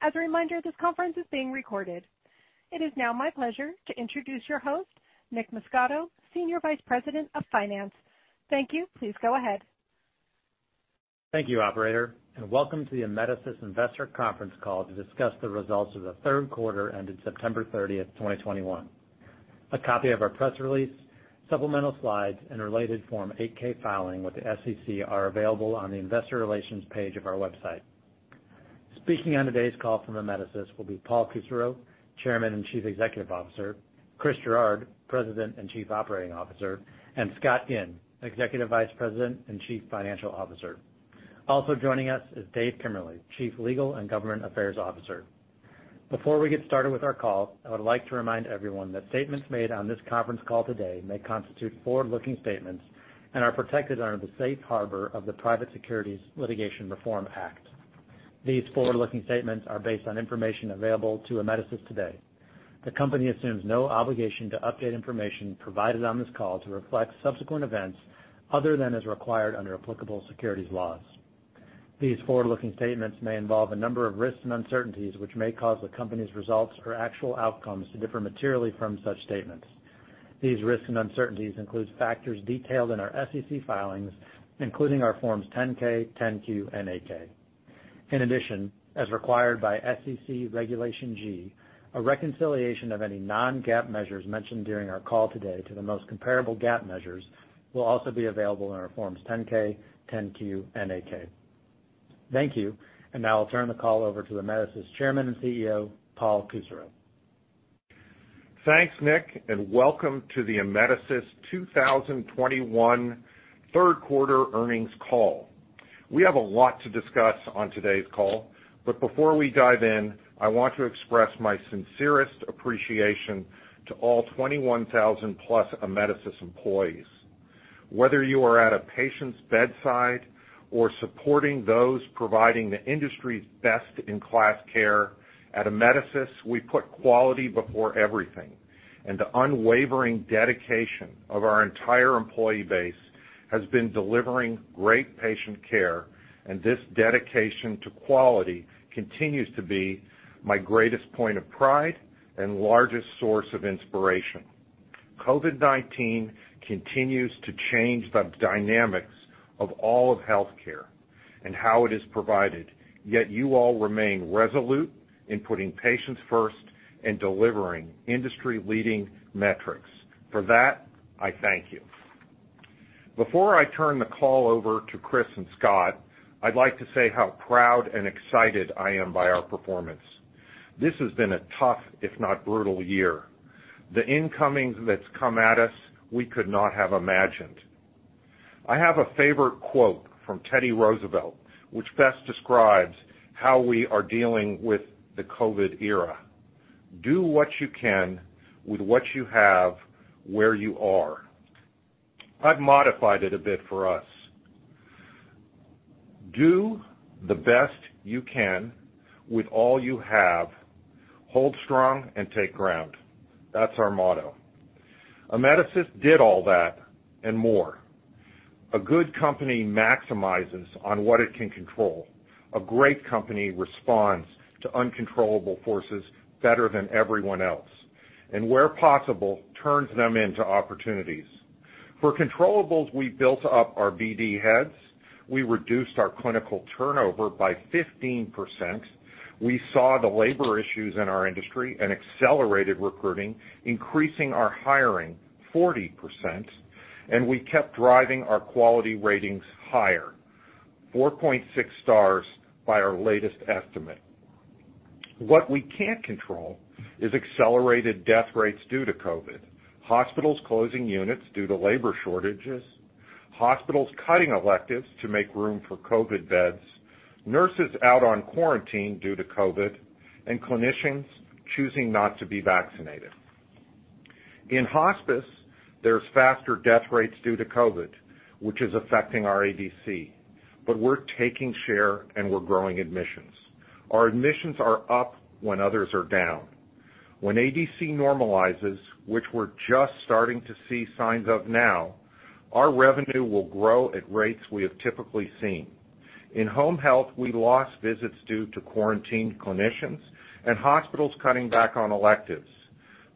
As a reminder, this conference is being recorded. It is now my pleasure to introduce your host, Nick Muscato, Senior Vice President of Finance. Thank you. Please go ahead. Thank you, operator, and welcome to the Amedisys Investor Conference Call to discuss the results of the third quarter ended September 30th, 2021. A copy of our press release, supplemental slides, and related Form 8-K filing with the SEC are available on the investor relations page of our website. Speaking on today's call from Amedisys will be Paul Kusserow, Chairman and Chief Executive Officer, Chris Gerard, President and Chief Operating Officer, and Scott Ginn, Executive Vice President and Chief Financial Officer. Also joining us is Dave Kemmerly, Chief Legal and Government Affairs Officer. Before we get started with our call, I would like to remind everyone that statements made on this conference call today may constitute forward-looking statements and are protected under the safe harbor of the Private Securities Litigation Reform Act. These forward-looking statements are based on information available to Amedisys today. The company assumes no obligation to update information provided on this call to reflect subsequent events other than as required under applicable securities laws. These forward-looking statements may involve a number of risks and uncertainties which may cause the company's results or actual outcomes to differ materially from such statements. These risks and uncertainties include factors detailed in our SEC filings, including our Forms 10-K, 10-Q, and 8-K. In addition, as required by SEC Regulation G, a reconciliation of any non-GAAP measures mentioned during our call today to the most comparable GAAP measures will also be available in our Forms 10-K, 10-Q, and 8-K. Thank you. Now I'll turn the call over to Amedisys Chairman and CEO, Paul Kusserow. Thanks, Nick, and welcome to the Amedisys 2021 third quarter earnings call. We have a lot to discuss on today's call, but before we dive in, I want to express my sincerest appreciation to all 21,000+ Amedisys employees. Whether you are at a patient's bedside or supporting those providing the industry's best-in-class care, at Amedisys, we put quality before everything, and the unwavering dedication of our entire employee base has been delivering great patient care, and this dedication to quality continues to be my greatest point of pride and largest source of inspiration. COVID-19 continues to change the dynamics of all of healthcare and how it is provided, yet you all remain resolute in putting patients first and delivering industry-leading metrics. For that, I thank you. Before I turn the call over to Chris and Scott, I'd like to say how proud and excited I am by our performance. This has been a tough, if not brutal year. The incoming that's come at us, we could not have imagined. I have a favorite quote from Teddy Roosevelt, which best describes how we are dealing with the COVID era. "Do what you can with what you have, where you are." I've modified it a bit for us. Do the best you can with all you have. Hold strong and take ground. That's our motto. Amedisys did all that and more. A good company maximizes on what it can control. A great company responds to uncontrollable forces better than everyone else, and where possible, turns them into opportunities. For controllables, we built up our BD heads. We reduced our clinical turnover by 15%. We saw the labor issues in our industry and accelerated recruiting, increasing our hiring 40%, and we kept driving our quality ratings higher, 4.6 stars by our latest estimate. What we can't control is accelerated death rates due to COVID, hospitals closing units due to labor shortages, hospitals cutting electives to make room for COVID beds, nurses out on quarantine due to COVID, and clinicians choosing not to be vaccinated. In hospice, there's faster death rates due to COVID, which is affecting our ADC, but we're taking share, and we're growing admissions. Our admissions are up when others are down. When ADC normalizes, which we're just starting to see signs of now, our revenue will grow at rates we have typically seen. In home health, we lost visits due to quarantined clinicians and hospitals cutting back on electives,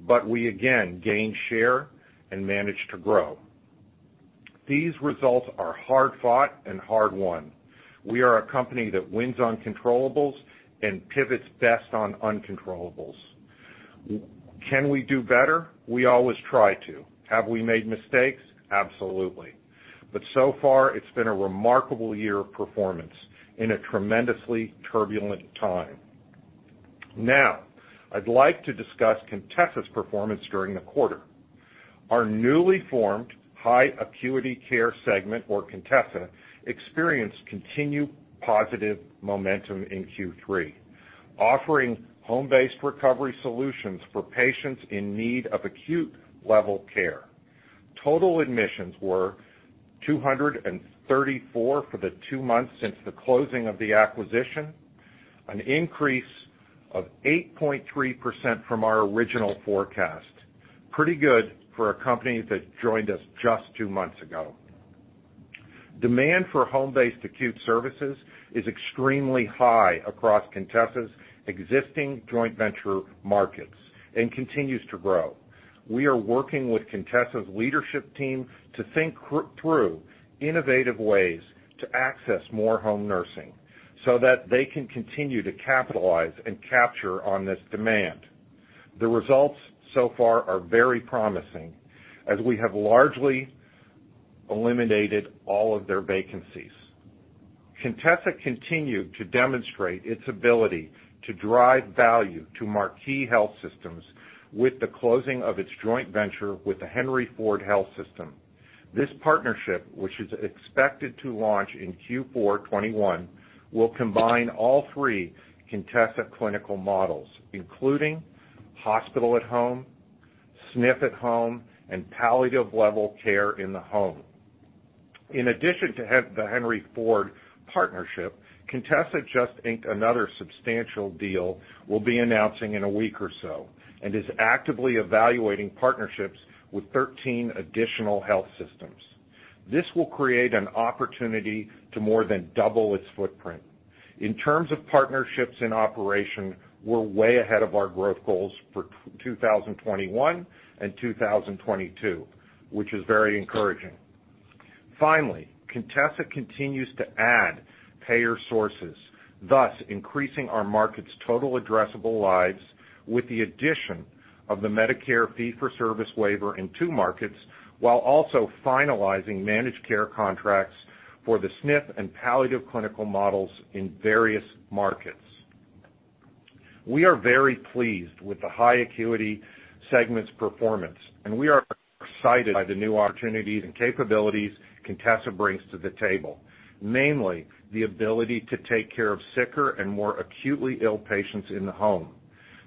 but we again gained share and managed to grow. These results are hard-fought and hard-won. We are a company that wins on controllables and pivots best on uncontrollables. Can we do better? We always try to. Have we made mistakes? Absolutely. So far, it's been a remarkable year of performance in a tremendously turbulent time. Now, I'd like to discuss Contessa's performance during the quarter. Our newly formed high-acuity care segment, or Contessa, experienced continued positive momentum in Q3, offering home-based recovery solutions for patients in need of acute-level care. Total admissions were 234 for the two months since the closing of the acquisition, an increase of 8.3% from our original forecast. Pretty good for a company that joined us just two months ago. Demand for home-based acute services is extremely high across Contessa's existing joint venture markets and continues to grow. We are working with Contessa's leadership team to think through innovative ways to access more home nursing so that they can continue to capitalize and capture on this demand. The results so far are very promising, as we have largely eliminated all of their vacancies. Contessa continued to demonstrate its ability to drive value to marquee health systems with the closing of its joint venture with the Henry Ford Health System. This partnership, which is expected to launch in Q4 2021, will combine all three Contessa clinical models, including hospital at home, SNF at home, and palliative level care in the home. In addition to the Henry Ford Health System partnership, Contessa just inked another substantial deal we'll be announcing in a week or so, and is actively evaluating partnerships with 13 additional health systems. This will create an opportunity to more than double its footprint. In terms of partnerships in operation, we're way ahead of our growth goals for 2021 and 2022, which is very encouraging. Finally, Contessa continues to add payer sources, thus increasing our market's total addressable lives with the addition of the Medicare fee-for-service waiver in two markets, while also finalizing managed care contracts for the SNF and palliative clinical models in various markets. We are very pleased with the high acuity segment's performance, and we are excited by the new opportunities and capabilities Contessa brings to the table, namely, the ability to take care of sicker and more acutely ill patients in the home,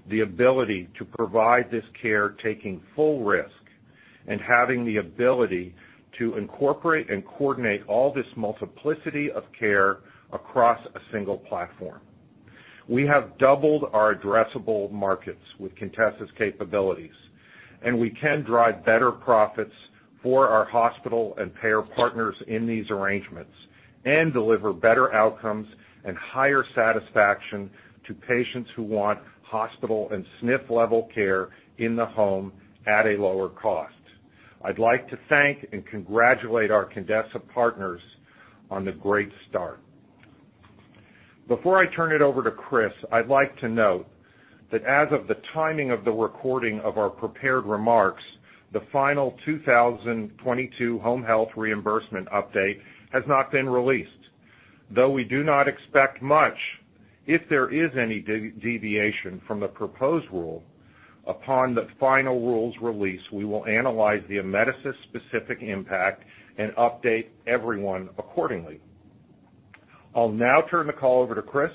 the ability to provide this care taking full risk, and having the ability to incorporate and coordinate all this multiplicity of care across a single platform. We have doubled our addressable markets with Contessa's capabilities, and we can drive better profits for our hospital and payer partners in these arrangements and deliver better outcomes and higher satisfaction to patients who want hospital and SNF-level care in the home at a lower cost. I'd like to thank and congratulate our Contessa partners on the great start. Before I turn it over to Chris, I'd like to note that as of the timing of the recording of our prepared remarks, the final 2022 Home Health Reimbursement update has not been released. Though we do not expect much, if there is any deviation from the proposed rule, upon the final rule's release, we will analyze the Amedisys specific impact and update everyone accordingly. I'll now turn the call over to Chris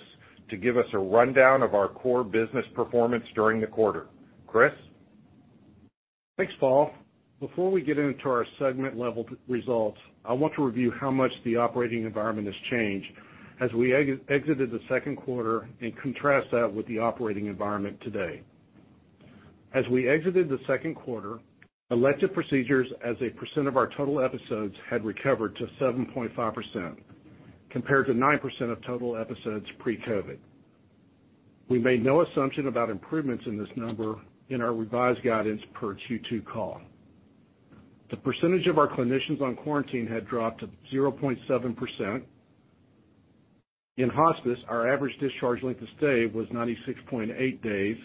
to give us a rundown of our core business performance during the quarter. Chris? Thanks, Paul. Before we get into our segment-level results, I want to review how much the operating environment has changed as we exited the second quarter and contrast that with the operating environment today. As we exited the second quarter, elective procedures as a percent of our total episodes had recovered to 7.5%, compared to 9% of total episodes pre-COVID. We made no assumption about improvements in this number in our revised guidance per Q2 call. The percentage of our clinicians on quarantine had dropped to 0.7%. In hospice, our average discharge length of stay was 96.8 days,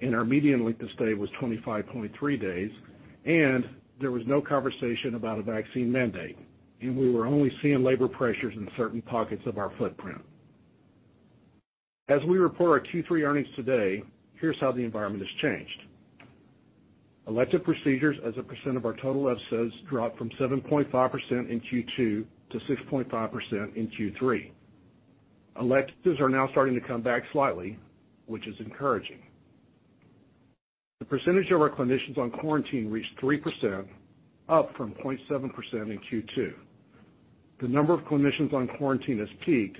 and our median length of stay was 25.3 days, and there was no conversation about a vaccine mandate, and we were only seeing labor pressures in certain pockets of our footprint. As we report our Q3 earnings today, here's how the environment has changed. Elective procedures as a percent of our total episodes dropped from 7.5% in Q2 to 6.5% in Q3. Electives are now starting to come back slightly, which is encouraging. The percentage of our clinicians on quarantine reached 3%, up from 0.7% in Q2. The number of clinicians on quarantine has peaked,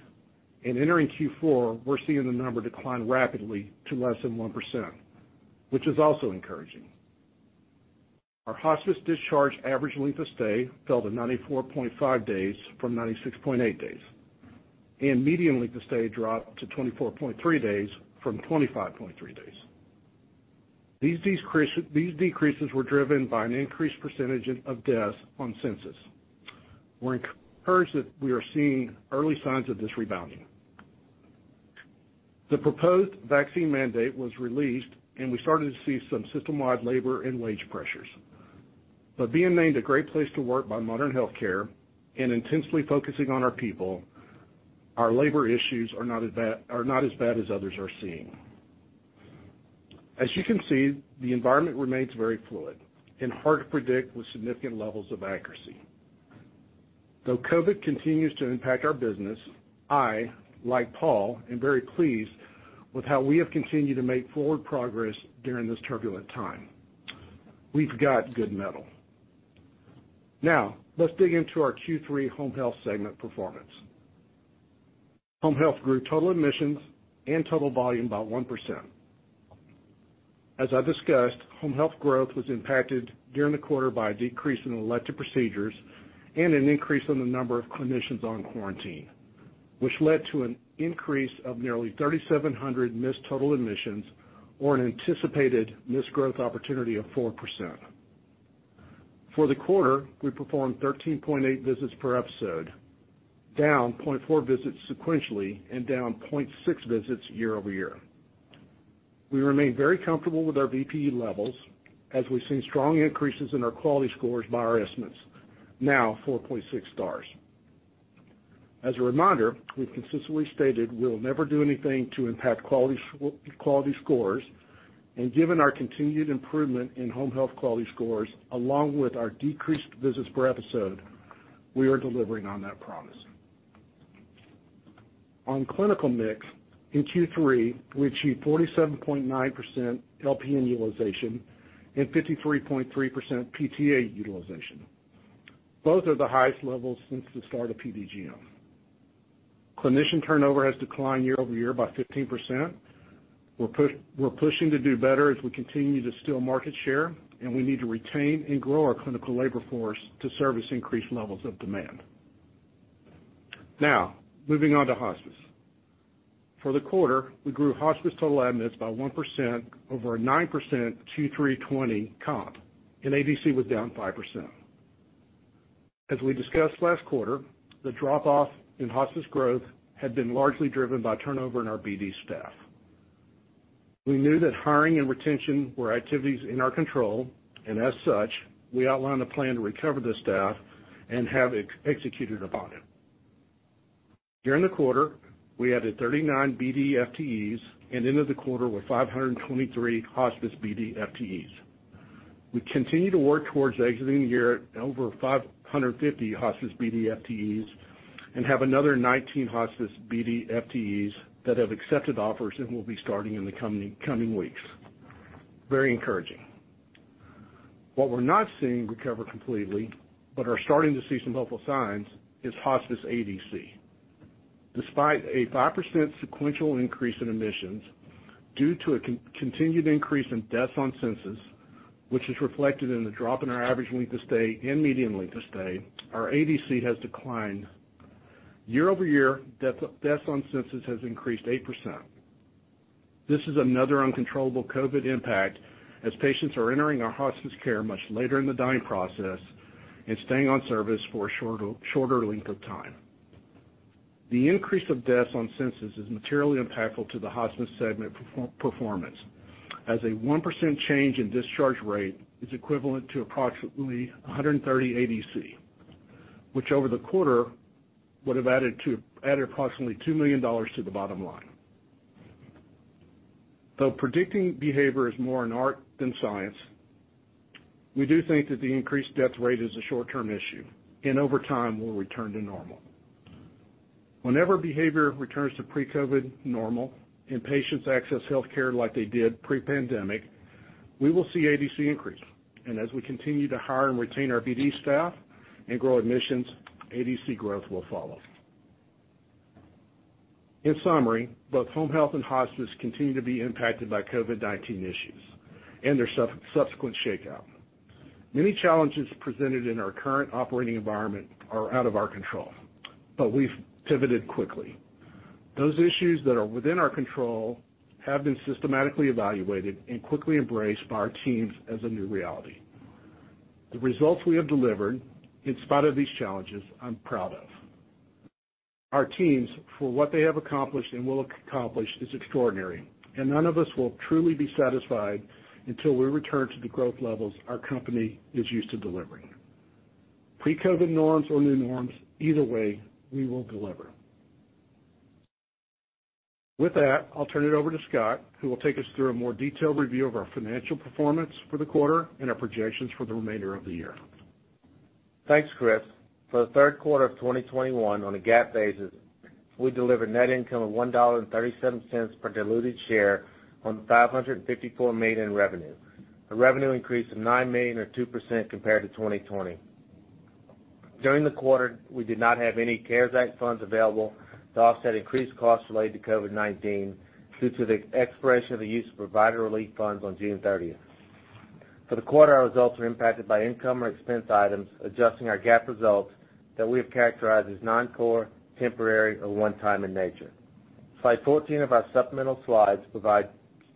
and entering Q4, we're seeing the number decline rapidly to less than 1%, which is also encouraging. Our hospice discharge average length of stay fell to 94.5 days from 96.8 days, and median length of stay dropped to 24.3 days from 25.3 days. These decreases were driven by an increased percentage of deaths on census. We're encouraged that we are seeing early signs of this rebounding. The proposed vaccine mandate was released, and we started to see some system-wide labor and wage pressures. Being named a great place to work by Modern Healthcare and intensely focusing on our people, our labor issues are not as bad as others are seeing. As you can see, the environment remains very fluid and hard to predict with significant levels of accuracy. Though COVID continues to impact our business, I, like Paul, am very pleased with how we have continued to make forward progress during this turbulent time. We've got good mettle. Now, let's dig into our Q3 Home Health segment performance. Home Health grew total admissions and total volume by 1%. As I discussed, Home Health growth was impacted during the quarter by a decrease in elective procedures and an increase in the number of clinicians on quarantine, which led to an increase of nearly 3,700 missed total admissions, or an anticipated missed growth opportunity of 4%. For the quarter, we performed 13.8 visits per episode, down 0.4 visits sequentially and down 0.6 visits year-over-year. We remain very comfortable with our VPE levels as we've seen strong increases in our quality scores by our estimates, now 4.6 stars. As a reminder, we've consistently stated we will never do anything to impact quality scores, and given our continued improvement in home health quality scores, along with our decreased visits per episode, we are delivering on that promise. On clinical mix, in Q3, we achieved 47.9% LPN utilization and 53.3% PTA utilization. Both are the highest levels since the start of PDGM. Clinician turnover has declined year-over-year by 15%. We're pushing to do better as we continue to steal market share, and we need to retain and grow our clinical labor force to service increased levels of demand. Now, moving on to hospice. For the quarter, we grew hospice total admits by 1% over a 9% Q3 2020 comp, and ADC was down 5%. As we discussed last quarter, the drop-off in hospice growth had been largely driven by turnover in our BD staff. We knew that hiring and retention were activities in our control, and as such, we outlined a plan to recover the staff and have executed upon it. During the quarter, we added 39 BD FTEs and ended the quarter with 523 hospice BD FTEs. We continue to work towards exiting the year at over 550 hospice BD FTEs and have another 19 hospice BD FTEs that have accepted offers and will be starting in the coming weeks. Very encouraging. What we're not seeing recover completely, but are starting to see some hopeful signs, is hospice ADC. Despite a 5% sequential increase in admissions due to a continued increase in deaths on census, which is reflected in the drop in our average length of stay and median length of stay, our ADC has declined. Year-over-year, deaths on census has increased 8%. This is another uncontrollable COVID impact, as patients are entering our hospice care much later in the dying process and staying on service for a shorter length of time. The increase of deaths on census is materially impactful to the hospice segment performance, as a 1% change in discharge rate is equivalent to approximately 130 ADC, which over the quarter would have added approximately $2 million to the bottom line. Though predicting behavior is more an art than science, we do think that the increased death rate is a short-term issue, and over time, will return to normal. Whenever behavior returns to pre-COVID normal and patients access healthcare like they did pre-pandemic, we will see ADC increase. As we continue to hire and retain our BD staff and grow admissions, ADC growth will follow. In summary, both home health and hospice continue to be impacted by COVID-19 issues and their subsequent shakeout. Many challenges presented in our current operating environment are out of our control, but we've pivoted quickly. Those issues that are within our control have been systematically evaluated and quickly embraced by our teams as a new reality. The results we have delivered in spite of these challenges. I'm proud of. Our teams, for what they have accomplished and will accomplish, is extraordinary, and none of us will truly be satisfied until we return to the growth levels our company is used to delivering. Pre-COVID norms or new norms, either way, we will deliver. With that, I'll turn it over to Scott, who will take us through a more detailed review of our financial performance for the quarter and our projections for the remainder of the year. Thanks, Chris. For the third quarter of 2021, on a GAAP basis, we delivered net income of $1.37 per diluted share on $554 million in revenue, a revenue increase of $9 million, or 2%, compared to 2020. During the quarter, we did not have any CARES Act funds available to offset increased costs related to COVID-19 due to the expiration of the use of provider relief funds on June thirtieth. For the quarter, our results were impacted by income or expense items adjusting our GAAP results that we have characterized as non-core, temporary, or one time in nature. Slide 14 of our supplemental slides provide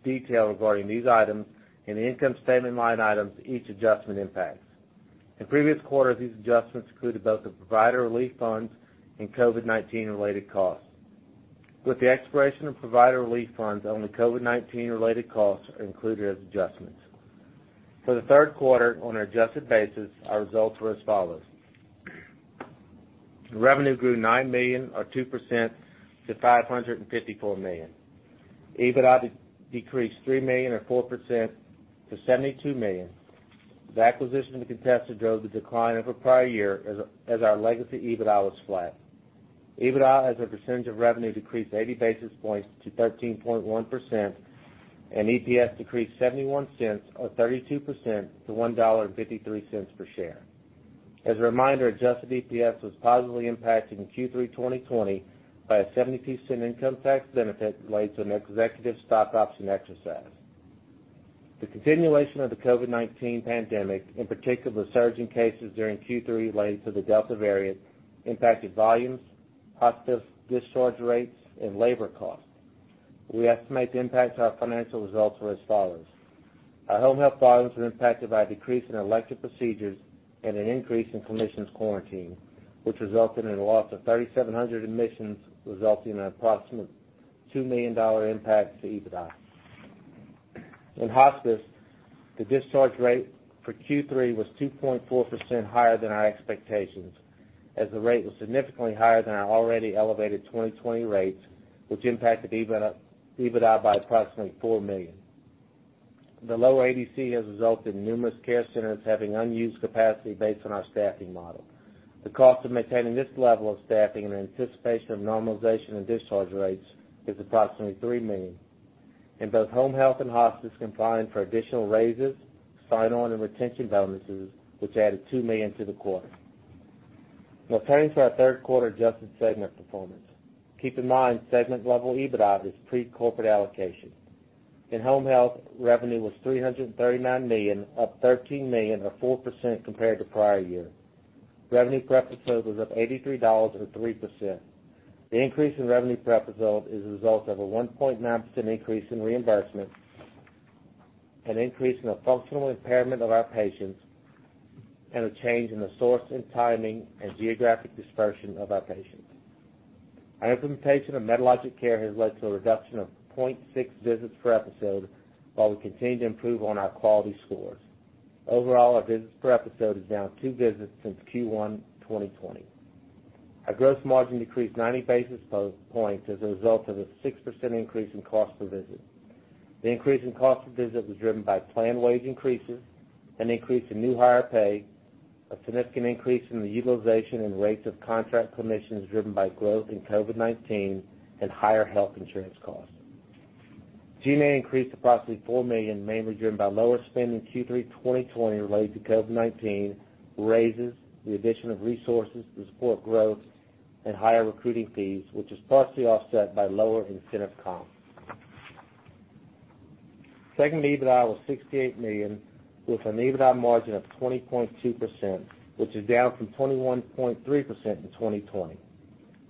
detail regarding these items and the income statement line items each adjustment impacts. In previous quarters, these adjustments included both the provider relief funds and COVID-19-related costs. With the expiration of provider relief funds, only COVID-19-related costs are included as adjustments. For the third quarter, on an adjusted basis, our results were as follows. Revenue grew $9 million, or 2% to $554 million. EBITDA decreased $3 million, or 4%, to $72 million. The acquisition of Contessa drove the decline over prior year as our legacy EBITDA was flat. EBITDA, as a percentage of revenue, decreased 80 basis points to 13.1%, and EPS decreased $0.71, or 32%, to $1.53 per share. As a reminder, adjusted EPS was positively impacted in Q3 2020 by a $0.72 income tax benefit related to an executive stock option exercise. The continuation of the COVID-19 pandemic, in particular, the surge in cases during Q3 related to the Delta variant, impacted volumes, hospice discharge rates, and labor costs. We estimate the impacts to our financial results were as follows. Our home health volumes were impacted by a decrease in elective procedures and an increase in clinicians quarantined, which resulted in a loss of 3,700 admissions, resulting in an approximate $2 million impact to EBITDA. In hospice, the discharge rate for Q3 was 2.4% higher than our expectations, as the rate was significantly higher than our already elevated 2020 rates, which impacted EBITDA by approximately $4 million. The lower ADC has resulted in numerous care centers having unused capacity based on our staffing model. The cost of maintaining this level of staffing in anticipation of normalization and discharge rates is approximately $3 million. In both home health and hospice combined for additional raises, sign-on, and retention bonuses, which added $2 million to the quarter. Now turning to our third quarter adjusted segment performance. Keep in mind, segment-level EBITDA is pre-corporate allocation. In home health, revenue was $339 million, up $13 million or 4% compared to prior year. Revenue per episode was up $83 or 3%. The increase in revenue per episode is a result of a 1.9% increase in reimbursement, an increase in the functional impairment of our patients, and a change in the source and timing and geographic dispersion of our patients. Our implementation of Medalogix Care has led to a reduction of 0.6 visits per episode while we continue to improve on our quality scores. Overall, our visits per episode is down two visits since Q1 2020. Our gross margin decreased ninety basis points as a result of a 6% increase in cost per visit. The increase in cost per visit was driven by planned wage increases, an increase in new hire pay, a significant increase in the utilization and rates of contract clinicians driven by growth in COVID-19, and higher health insurance costs. G&A increased approximately $4 million, mainly driven by lower spend in Q3 2020 related to COVID-19, raises, the addition of resources to support growth, and higher recruiting fees, which was partially offset by lower incentive comp. Segment EBITDA was $68 million, with an EBITDA margin of 20.2%, which is down from 21.3% in 2020.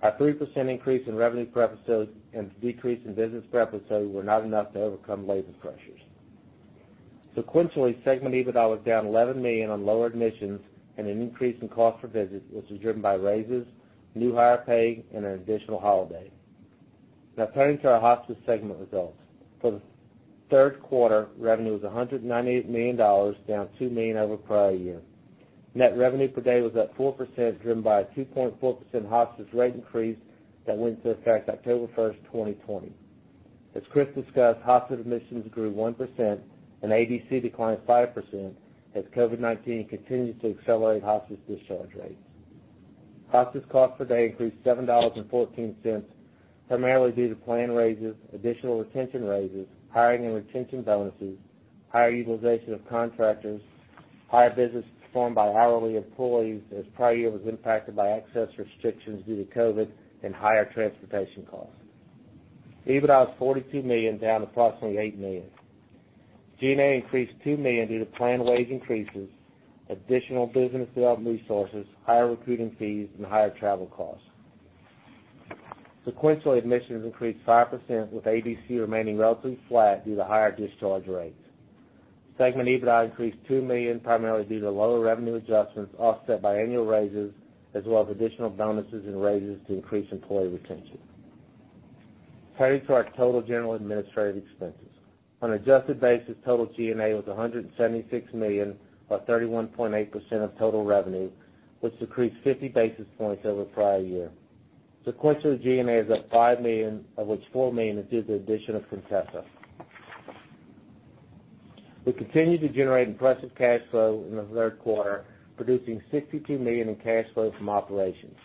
Our 3% increase in revenue per episode and decrease in visits per episode were not enough to overcome labor pressures. Sequentially, segment EBITDA was down $11 million on lower admissions and an increase in cost per visit, which was driven by raises, new hire pay, and an additional holiday. Now turning to our hospice segment results. For the third quarter, revenue was $198 million, down $2 million over prior year. Net revenue per day was up 4%, driven by a 2.4% hospice rate increase that went into effect October 1, 2020. As Chris discussed, hospice admissions grew 1% and ADC declined 5% as COVID-19 continued to accelerate hospice discharge rates. Hospice cost per day increased $7.14, primarily due to planned raises, additional retention raises, hiring and retention bonuses, higher utilization of contractors, higher business performed by hourly employees as prior year was impacted by access restrictions due to COVID, and higher transportation costs. EBITDA was $42 million, down approximately $8 million. G&A increased $2 million due to planned wage increases, additional business development resources, higher recruiting fees, and higher travel costs. Sequentially, admissions increased 5%, with ADC remaining relatively flat due to higher discharge rates. Segment EBITDA increased $2 million, primarily due to lower revenue adjustments offset by annual raises, as well as additional bonuses and raises to increase employee retention. Turning to our total general administrative expenses. On an adjusted basis, total G&A was $176 million, or 31.8% of total revenue, which decreased 50 basis points over the prior year. Sequential G&A is up $5 million, of which $4 million is due to the addition of Contessa. We continued to generate impressive cash flow in the third quarter, producing $62 million in cash flow from operations.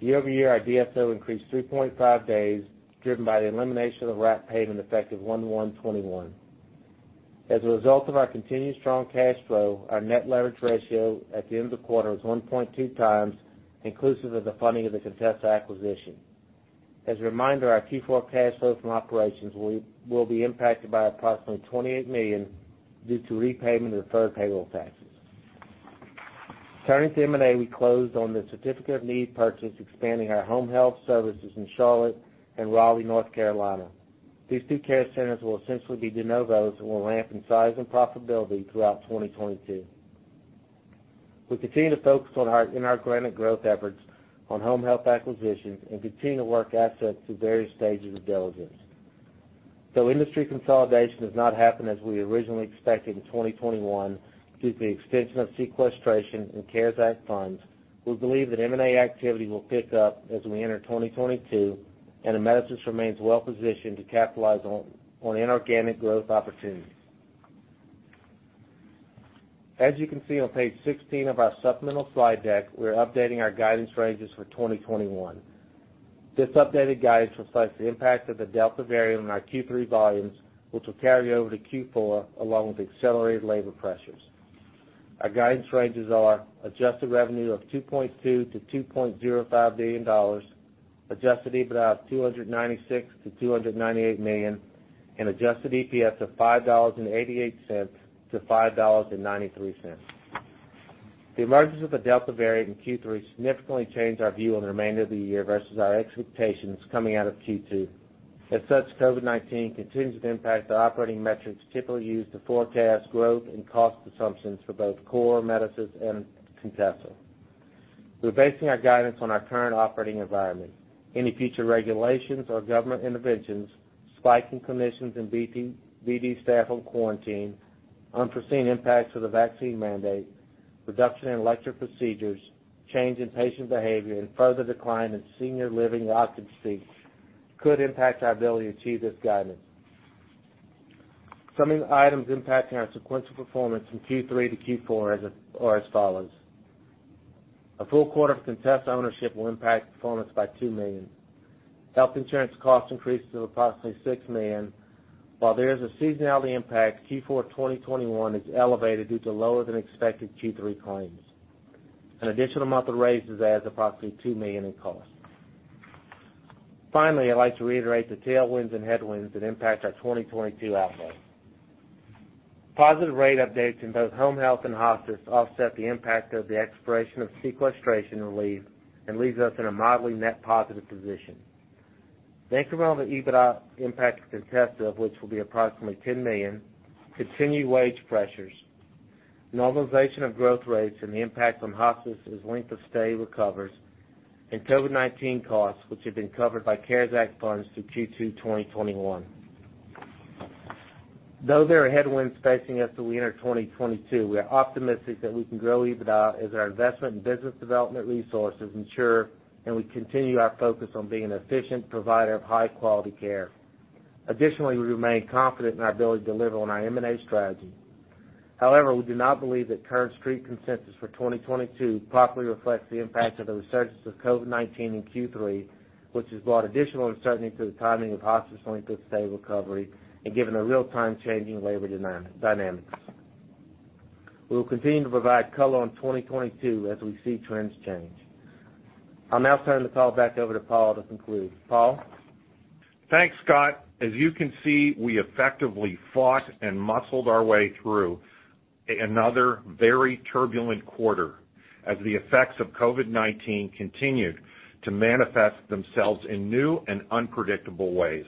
Year-over-year, our DSO increased 3.5 days, driven by the elimination of the RAP pay, in effect 1/1/2021. As a result of our continued strong cash flow, our net leverage ratio at the end of the quarter was 1.2 times inclusive of the funding of the Contessa acquisition. As a reminder, our Q4 cash flow from operations will be impacted by approximately $28 million due to repayment of deferred payroll taxes. Turning to M&A, we closed on the certificate of need purchase, expanding our home health services in Charlotte and Raleigh, North Carolina. These two care centers will essentially be de novos and will ramp in size and profitability throughout 2022. We continue to focus on our inorganic growth efforts on home health acquisitions and continue to work assets through various stages of diligence. Though industry consolidation has not happened as we originally expected in 2021 due to the extension of sequestration and CARES Act funds, we believe that M&A activity will pick up as we enter 2022, and Amedisys remains well-positioned to capitalize on inorganic growth opportunities. As you can see on page 16 of our supplemental slide deck, we are updating our guidance ranges for 2021. This updated guidance reflects the impact of the Delta variant on our Q3 volumes, which will carry over to Q4, along with accelerated labor pressures. Our guidance ranges are adjusted revenue of $2.2 billion-$2.05 billion, adjusted EBITDA of $296 million-$298 million, and adjusted EPS of $5.88-$5.93. The emergence of the Delta variant in Q3 significantly changed our view on the remainder of the year versus our expectations coming out of Q2. As such, COVID-19 continues to impact the operating metrics typically used to forecast growth and cost assumptions for both Core, Amedisys, and Contessa. We're basing our guidance on our current operating environment. Any future regulations or government interventions, spike in clinicians and BD staff on quarantine, unforeseen impacts of the vaccine mandate, reduction in elective procedures, change in patient behavior, and further decline in senior living occupied seats could impact our ability to achieve this guidance. Some of the items impacting our sequential performance from Q3 to Q4 are as follows. A full quarter of Contessa ownership will impact performance by $2 million. Health insurance cost increases of approximately $6 million. While there is a seasonality impact, Q4 2021 is elevated due to lower than expected Q3 claims. An additional month of raises adds approximately $2 million in costs. Finally, I'd like to reiterate the tailwinds and headwinds that impact our 2022 outlook. Positive rate updates in both home health and hospice offset the impact of the expiration of sequestration relief and leaves us in a mildly net positive position. Based around the EBITDA impact of Contessa, which will be approximately $10 million, continued wage pressures, normalization of growth rates, and the impact from hospice as length of stay recovers, and COVID-19 costs, which have been covered by CARES Act funds through Q2 2021. Though there are headwinds facing us as we enter 2022, we are optimistic that we can grow EBITDA as our investment in business development resources mature, and we continue our focus on being an efficient provider of high-quality care. Additionally, we remain confident in our ability to deliver on our M&A strategy. However, we do not believe that current Street consensus for 2022 properly reflects the impact of the resurgence of COVID-19 in Q3, which has brought additional uncertainty to the timing of hospice and length of stay recovery and given the real-time changing labor dynamics. We will continue to provide color on 2022 as we see trends change. I'll now turn the call back over to Paul to conclude. Paul? Thanks, Scott. As you can see, we effectively fought and muscled our way through another very turbulent quarter as the effects of COVID-19 continued to manifest themselves in new and unpredictable ways.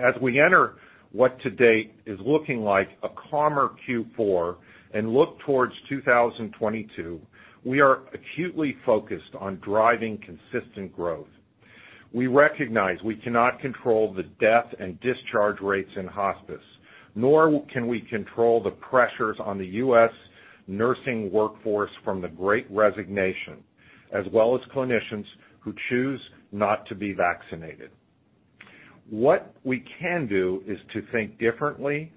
As we enter what to date is looking like a calmer Q4 and look towards 2022, we are acutely focused on driving consistent growth. We recognize we cannot control the death and discharge rates in hospice, nor can we control the pressures on the U.S. nursing workforce from the great resignation, as well as clinicians who choose not to be vaccinated. What we can do is to think differently,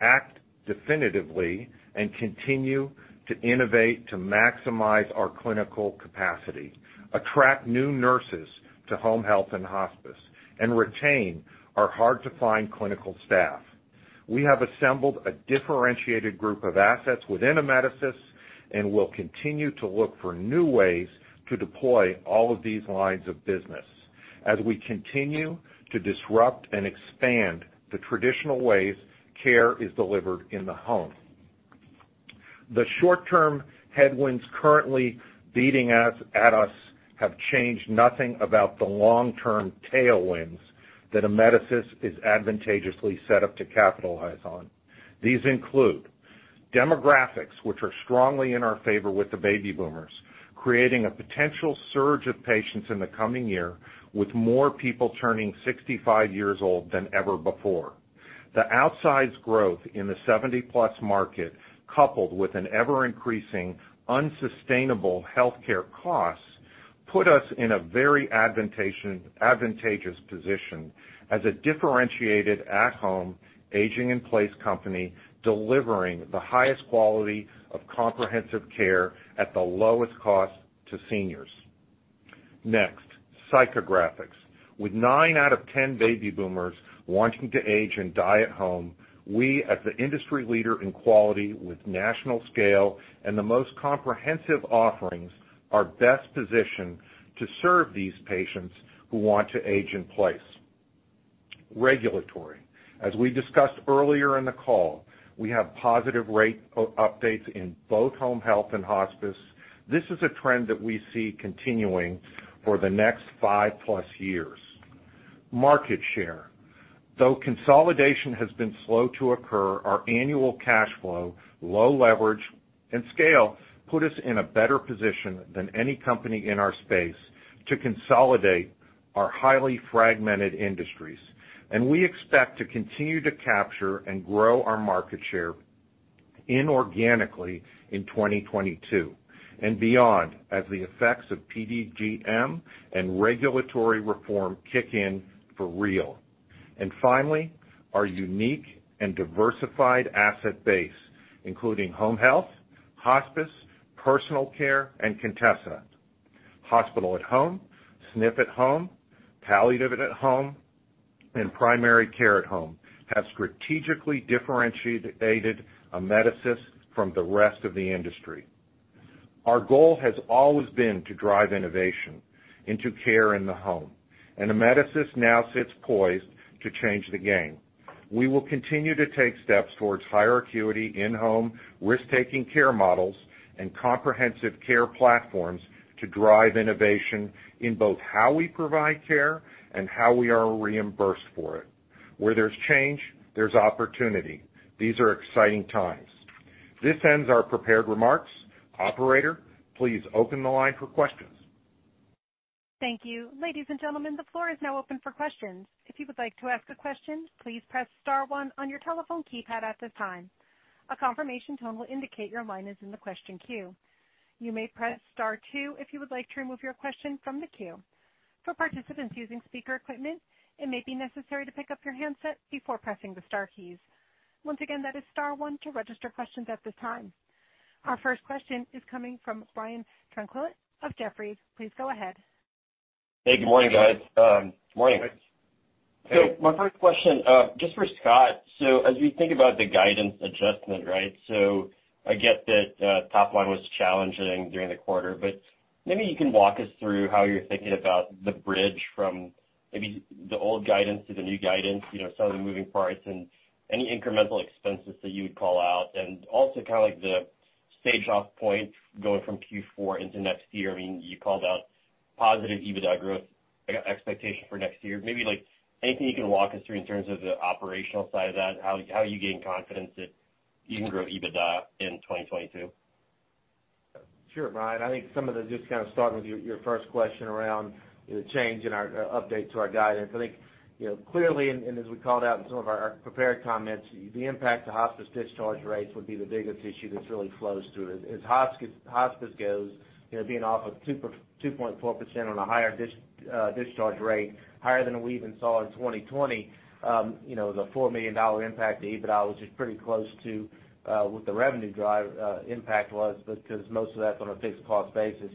act definitively, and continue to innovate to maximize our clinical capacity, attract new nurses to home health and hospice, and retain our hard-to-find clinical staff. We have assembled a differentiated group of assets within Amedisys and will continue to look for new ways to deploy all of these lines of business as we continue to disrupt and expand the traditional ways care is delivered in the home. The short-term headwinds currently beating at us have changed nothing about the long-term tailwinds that Amedisys is advantageously set up to capitalize on. These include demographics, which are strongly in our favor with the baby boomers, creating a potential surge of patients in the coming year, with more people turning 65 years old than ever before. The outsized growth in the 70+ market, coupled with an ever-increasing, unsustainable healthcare costs, put us in a very advantageous position as a differentiated at-home, aging-in-place company, delivering the highest quality of comprehensive care at the lowest cost to seniors. Next, psychographics. With nine out of ten baby boomers wanting to age and die at home, we, as the industry leader in quality with national scale and the most comprehensive offerings, are best positioned to serve these patients who want to age in place. Regulatory. As we discussed earlier in the call, we have positive rate up-updates in both home health and hospice. This is a trend that we see continuing for the next five-plus years. Market share. Though consolidation has been slow to occur, our annual cash flow, low leverage, and scale put us in a better position than any company in our space to consolidate our highly fragmented industries. We expect to continue to capture and grow our market share inorganically in 2022 and beyond, as the effects of PDGM and regulatory reform kick in for real. Finally, our unique and diversified asset base, including home health, hospice, personal care, and Contessa. Hospital at home, SNF at home, palliative at home, and primary care at home have strategically differentiated Amedisys from the rest of the industry. Our goal has always been to drive innovation into care in the home, and Amedisys now sits poised to change the game. We will continue to take steps towards higher acuity in-home risk-taking care models and comprehensive care platforms to drive innovation in both how we provide care and how we are reimbursed for it. Where there's change, there's opportunity. These are exciting times. This ends our prepared remarks. Operator, please open the line for questions. Thank you. Ladies and gentlemen, the floor is now open for questions. If you would like to ask a question, please press star one on your telephone keypad at this time. A confirmation tone will indicate your line is in the question queue. You may press star two if you would like to remove your question from the queue. For participants using speaker equipment, it may be necessary to pick up your handset before pressing the star keys. Once again, that is star one to register questions at this time. Our first question is coming from Brian Tanquilut of Jefferies. Please go ahead. Hey, good morning, guys. Morning. My first question, just for Scott. As we think about the guidance adjustment, right? I get that top line was challenging during the quarter, but maybe you can walk us through how you're thinking about the bridge from maybe the old guidance to the new guidance, you know, some of the moving parts and any incremental expenses that you would call out. Also kind of like the starting point going from Q4 into next year. I mean, you called out positive EBITDA growth expectation for next year. Maybe, like, anything you can walk us through in terms of the operational side of that? How are you gaining confidence that you can grow EBITDA in 2022? Sure, Brian. I think. Just kind of starting with your first question around the change in our update to our guidance. I think, you know, clearly, and as we called out in some of our prepared comments, the impact to hospice discharge rates would be the biggest issue that really flows through. As hospice goes, you know, being off of 2.4% on a higher discharge rate, higher than we even saw in 2020, you know, the $4 million impact to EBITDA, which is pretty close to what the revenue-driven impact was because most of that's on a fixed cost basis.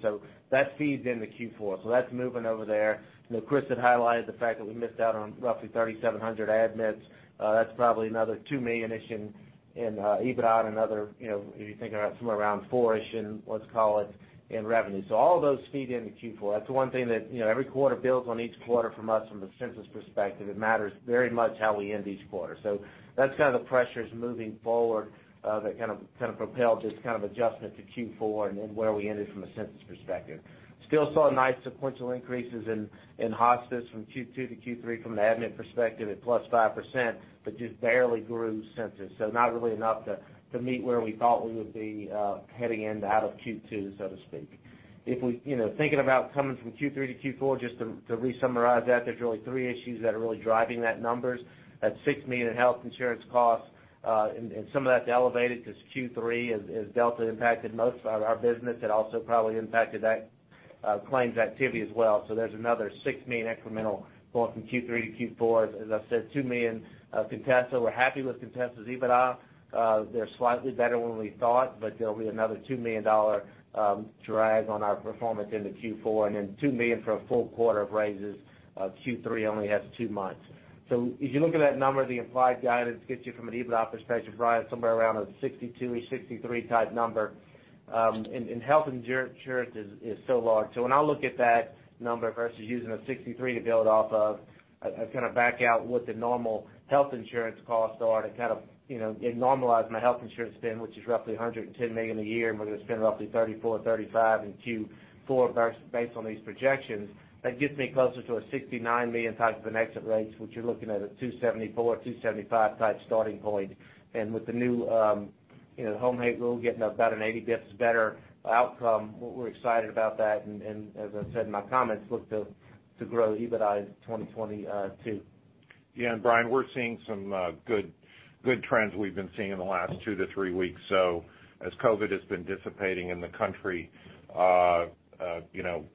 That feeds into Q4. That's moving over there. You know, Chris had highlighted the fact that we missed out on roughly 3,700 admits. That's probably another $2 million-ish in EBITDA, another, you know, if you think about somewhere around $4-ish in revenue. All of those feed into Q4. That's the one thing that, you know, every quarter builds on each quarter from us from a census perspective. It matters very much how we end each quarter. That's kind of the pressures moving forward that kind of propelled this kind of adjustment to Q4 and then where we ended from a census perspective. Still saw nice sequential increases in hospice from Q2 to Q3 from an admit perspective at +5%, but just barely grew census. Not really enough to meet where we thought we would be heading into out of Q2, so to speak. If we, you know, thinking about coming from Q3 to Q4, just to re-summarize that, there's really three issues that are really driving that numbers. That's $6 million health insurance costs, and some of that's elevated because Q3 is Delta impacted most of our business. It also probably impacted that claims activity as well. There's another $6 million incremental going from Q3 to Q4. As I said, $2 million Contessa. We're happy with Contessa's EBITDA. They're slightly better than we thought, but there'll be another $2 million dollar drag on our performance into Q4, and then $2 million for a full quarter of raises. Q3 only has two months. If you look at that number, the implied guidance gets you from an EBITDA perspective, Brian, somewhere around a 62-ish, 63 type number. Health insurance is so large. When I look at that number versus using a 63 to build off of, I kind of back out what the normal health insurance costs are to kind of, you know, normalize my health insurance spend, which is roughly $110 million a year, and we're going to spend roughly $34-$35 million in Q4 based on these projections. That gets me closer to a $69 million type of an exit rate, which you're looking at a $274-$275 million type starting point. With the new, you know, home health rule getting about an 80 basis points better outcome, we're excited about that. As I said in my comments, look to grow EBITDA in 2022. Yeah, and Brian, we're seeing some good trends we've been seeing in the last two to three weeks. As COVID has been dissipating in the country, you know,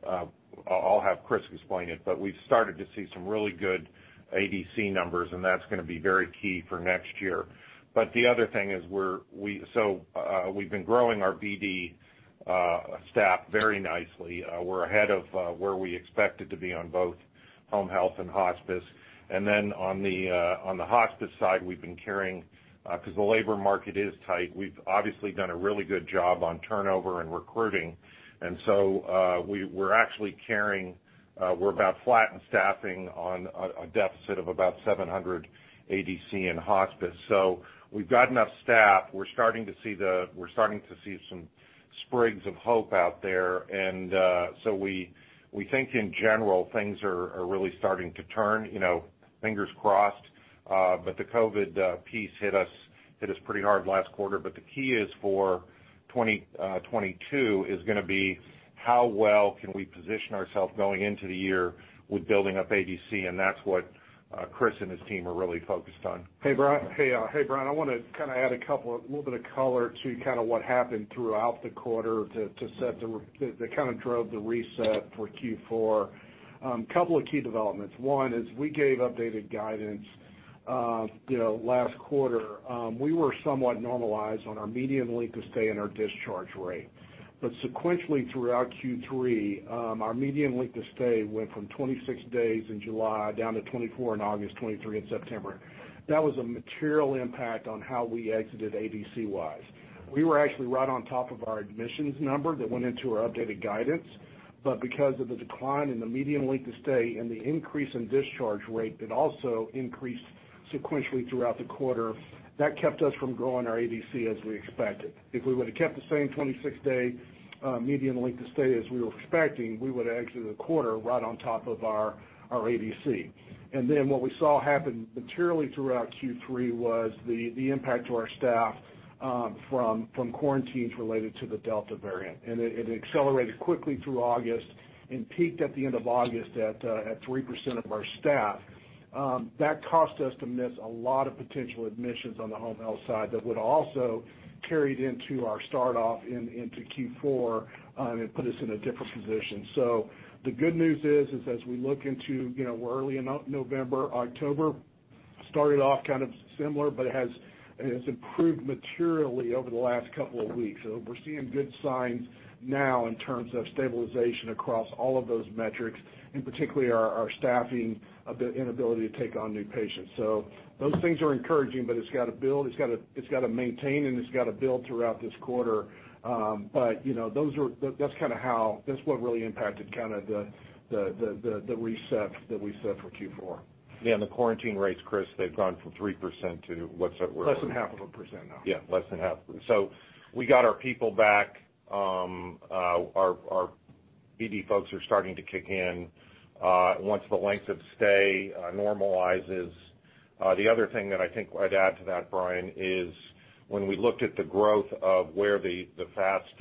I'll have Chris explain it, but we've started to see some really good ADC numbers, and that's gonna be very key for next year. The other thing is we're growing our BD staff very nicely. We're ahead of where we expected to be on both home health and hospice. On the hospice side, we've been carrying because the labor market is tight. We've obviously done a really good job on turnover and recruiting. We're actually carrying, we're about flat in staffing on a deficit of about 700 ADC in hospice. We've got enough staff. We're starting to see some sprigs of hope out there. We think in general, things are really starting to turn, you know, fingers crossed. The COVID piece hit us pretty hard last quarter. The key for 2022 is gonna be how well we can position ourselves going into the year with building up ADC. That's what Chris and his team are really focused on. Hey, Brian. I wanna kinda add a little bit of color to kinda what happened throughout the quarter to set the reset that kinda drove the reset for Q4. Couple of key developments. One is we gave updated guidance You know, last quarter, we were somewhat normalized on our median length of stay and our discharge rate. Sequentially throughout Q3, our median length of stay went from 26 days in July down to 24 in August, 23 in September. That was a material impact on how we exited ADC-wise. We were actually right on top of our admissions number that went into our updated guidance. Because of the decline in the median length of stay and the increase in discharge rate that also increased sequentially throughout the quarter, that kept us from growing our ADC as we expected. If we would've kept the same 26-day median length of stay as we were expecting, we would exit the quarter right on top of our ADC. Then what we saw happen materially throughout Q3 was the impact to our staff from quarantines related to the Delta variant. It accelerated quickly through August and peaked at the end of August at 3% of our staff. That caused us to miss a lot of potential admissions on the home health side that would also carried into our start off into Q4 and put us in a different position. The good news is as we look into, you know, we're early in November. October started off kind of similar, but it has improved materially over the last couple of weeks. We're seeing good signs now in terms of stabilization across all of those metrics, and particularly our staffing inability to take on new patients. Those things are encouraging, but it's gotta build. It's gotta maintain, and it's gotta build throughout this quarter. You know, that's what really impacted kinda the reset that we set for Q4. Yeah, the quarantine rates, Chris, they've gone from 3% to what's it, where- Less than 0.5% now. Yeah, less than half. We got our people back. Our BD folks are starting to kick in once the length of stay normalizes. The other thing that I think I'd add to that, Brian, is when we looked at the growth of where the fast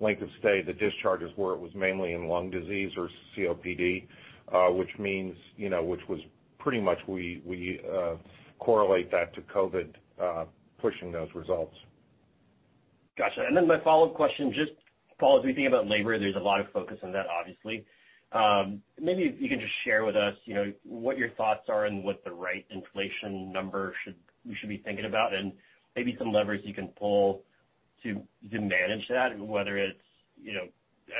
length of stay, the discharges were. It was mainly in lung disease or COPD, which means, you know, which was pretty much we correlate that to COVID pushing those results. Gotcha. My follow-up question, just, Paul, as we think about labor, there's a lot of focus on that obviously. Maybe if you can just share with us, you know, what your thoughts are and what the right inflation number we should be thinking about, and maybe some levers you can pull to manage that, whether it's, you know,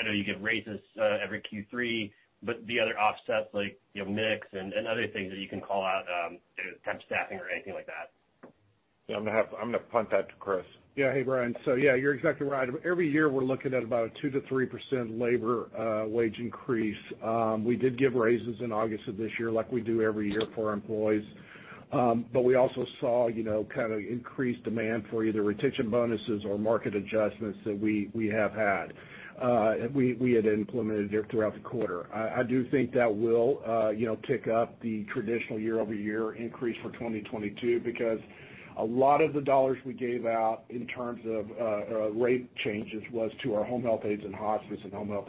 I know you give raises every Q3, but the other offsets like, you know, mix and other things that you can call out, you know, temp staffing or anything like that. Yeah, I'm gonna punt that to Chris. Yeah. Hey, Brian. Yeah, you're exactly right. Every year, we're looking at about a 2%-3% labor wage increase. We did give raises in August of this year like we do every year for our employees. We also saw, you know, kinda increased demand for either retention bonuses or market adjustments that we had implemented there throughout the quarter. I do think that will, you know, tick up the traditional year-over-year increase for 2022 because a lot of the dollars we gave out in terms of rate changes was to our home health aides and hospice and home health,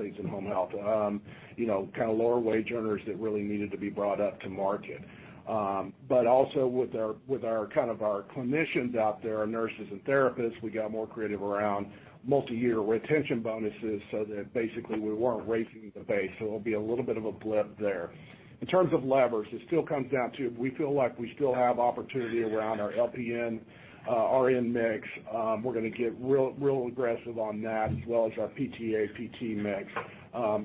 you know, kinda lower wage earners that really needed to be brought up to market. Also with our kind of clinicians out there, our nurses and therapists, we got more creative around multi-year retention bonuses so that basically we weren't raising the base. It'll be a little bit of a blip there. In terms of levers, it still comes down to we feel like we still have opportunity around our LPN, RN mix. We're gonna get real aggressive on that as well as our PTA, PT mix.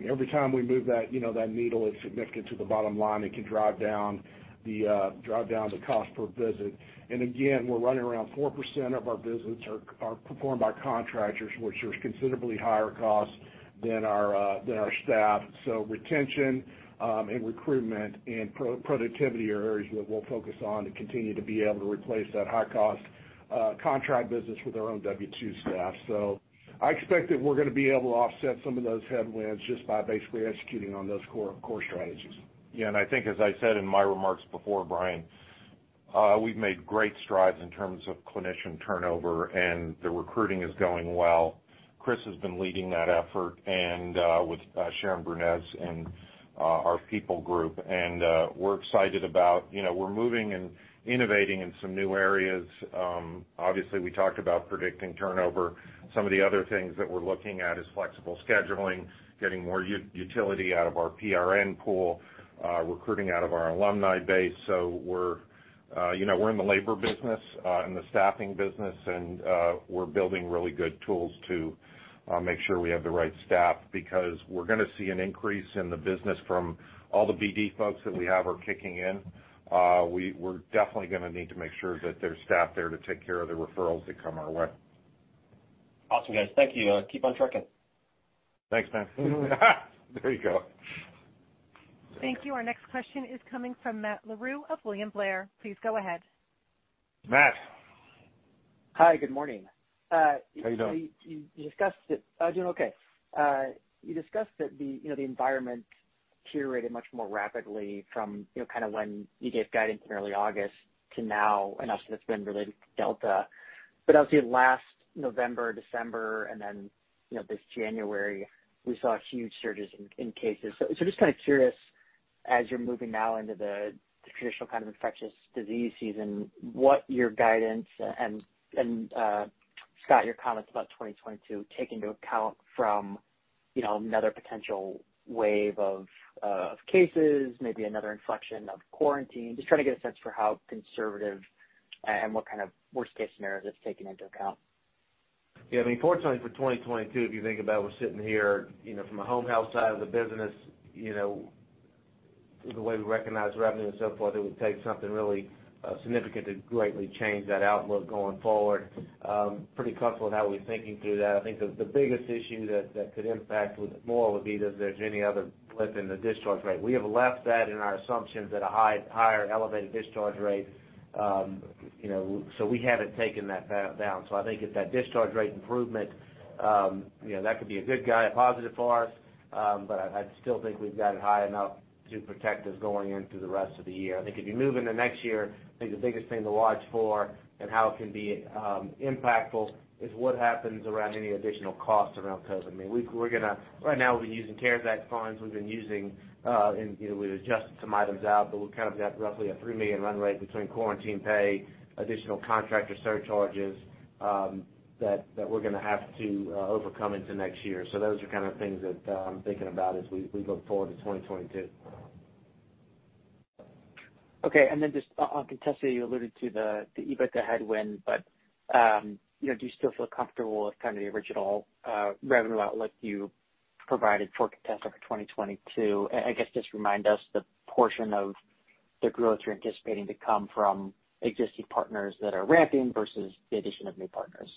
Every time we move that, you know, that needle, it's significant to the bottom line. It can drive down the cost per visit. Again, we're running around 4% of our visits are performed by contractors, which is considerably higher cost than our staff. Retention, and recruitment and productivity are areas that we'll focus on to continue to be able to replace that high cost, contract business with our own W2 staff. I expect that we're gonna be able to offset some of those headwinds just by basically executing on those core strategies. Yeah. I think as I said in my remarks before, Brian, we've made great strides in terms of clinician turnover, and the recruiting is going well. Chris has been leading that effort and with Sharon Brunetz and our people group. We're excited about, you know, we're moving and innovating in some new areas. Obviously, we talked about predicting turnover. Some of the other things that we're looking at is flexible scheduling, getting more utility out of our PRN pool, recruiting out of our alumni base. We're, you know, we're in the labor business and the staffing business, and we're building really good tools to make sure we have the right staff because we're gonna see an increase in the business from all the BD folks that we have are kicking in. We're definitely gonna need to make sure that there's staff there to take care of the referrals that come our way. Awesome, guys. Thank you. Keep on trucking. Thanks, man. There you go. Thank you. Our next question is coming from Matt Larew of William Blair. Please go ahead. Matt. Hi, good morning. How you doing? You discussed that the, you know, the environment deteriorated much more rapidly from, you know, kinda when you gave guidance in early August to now, and obviously that's been related to Delta. Obviously last November, December, and then, you know, this January, we saw huge surges in cases. Just kinda curious, as you're moving now into the traditional kind of infectious disease season, what your guidance and Scott, your comments about 2022 take into account from, you know, another potential wave of cases, maybe another inflection of quarantine. Just trying to get a sense for how conservative and what kind of worst case scenario that's taken into account. Yeah, I mean, fortunately for 2022, if you think about it, we're sitting here, you know, from a home health side of the business, you know, the way we recognize revenue and so forth, it would take something really significant to greatly change that outlook going forward. Pretty comfortable with how we're thinking through that. I think the biggest issue that could impact with more would be that if there's any other blip in the discharge rate. We have left that in our assumptions at a high, higher elevated discharge rate, you know, so we haven't taken that down. I think if that discharge rate improvement, you know, that could be a good guide, a positive for us. But I still think we've got it high enough to protect us going into the rest of the year. I think if you move into next year, I think the biggest thing to watch for and how it can be impactful is what happens around any additional costs around COVID. I mean, we're gonna right now, we've been using CARES Act funds. We've been using and you know we've adjusted some items out, but we've kind of got roughly a $3 million run rate between quarantine pay, additional contractor surcharges that we're gonna have to overcome into next year. Those are kind of things that I'm thinking about as we look forward to 2022. Okay. Just on Contessa, you alluded to the EBITDA headwind, but you know, do you still feel comfortable with kind of the original revenue outlook you provided for Contessa for 2022? I guess just remind us the portion of the growth you're anticipating to come from existing partners that are ramping versus the addition of new partners.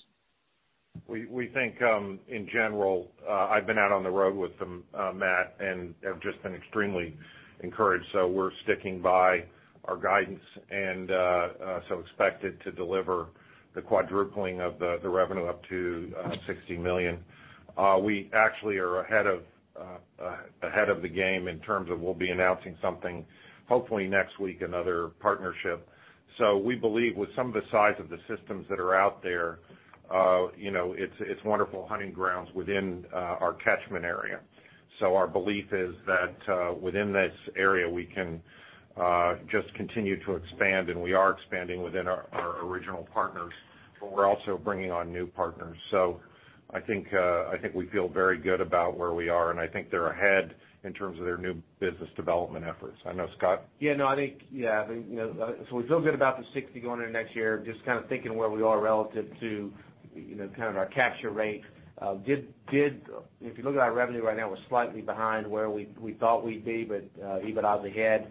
We think in general I've been out on the road with them Matt and have just been extremely encouraged. We're sticking by our guidance and so expected to deliver the quadrupling of the revenue up to $60 million. We actually are ahead of the game in terms of we'll be announcing something hopefully next week, another partnership. We believe with some of the size of the systems that are out there you know it's wonderful hunting grounds within our catchment area. Our belief is that within this area we can just continue to expand and we are expanding within our original partners but we're also bringing on new partners. I think we feel very good about where we are, and I think they're ahead in terms of their new business development efforts. I know, Scott? Yeah, no, I think, you know, we feel good about the 60% going into next year, just kind of thinking where we are relative to, you know, kind of our capture rate. If you look at our revenue right now, we're slightly behind where we thought we'd be, but EBITDA is ahead.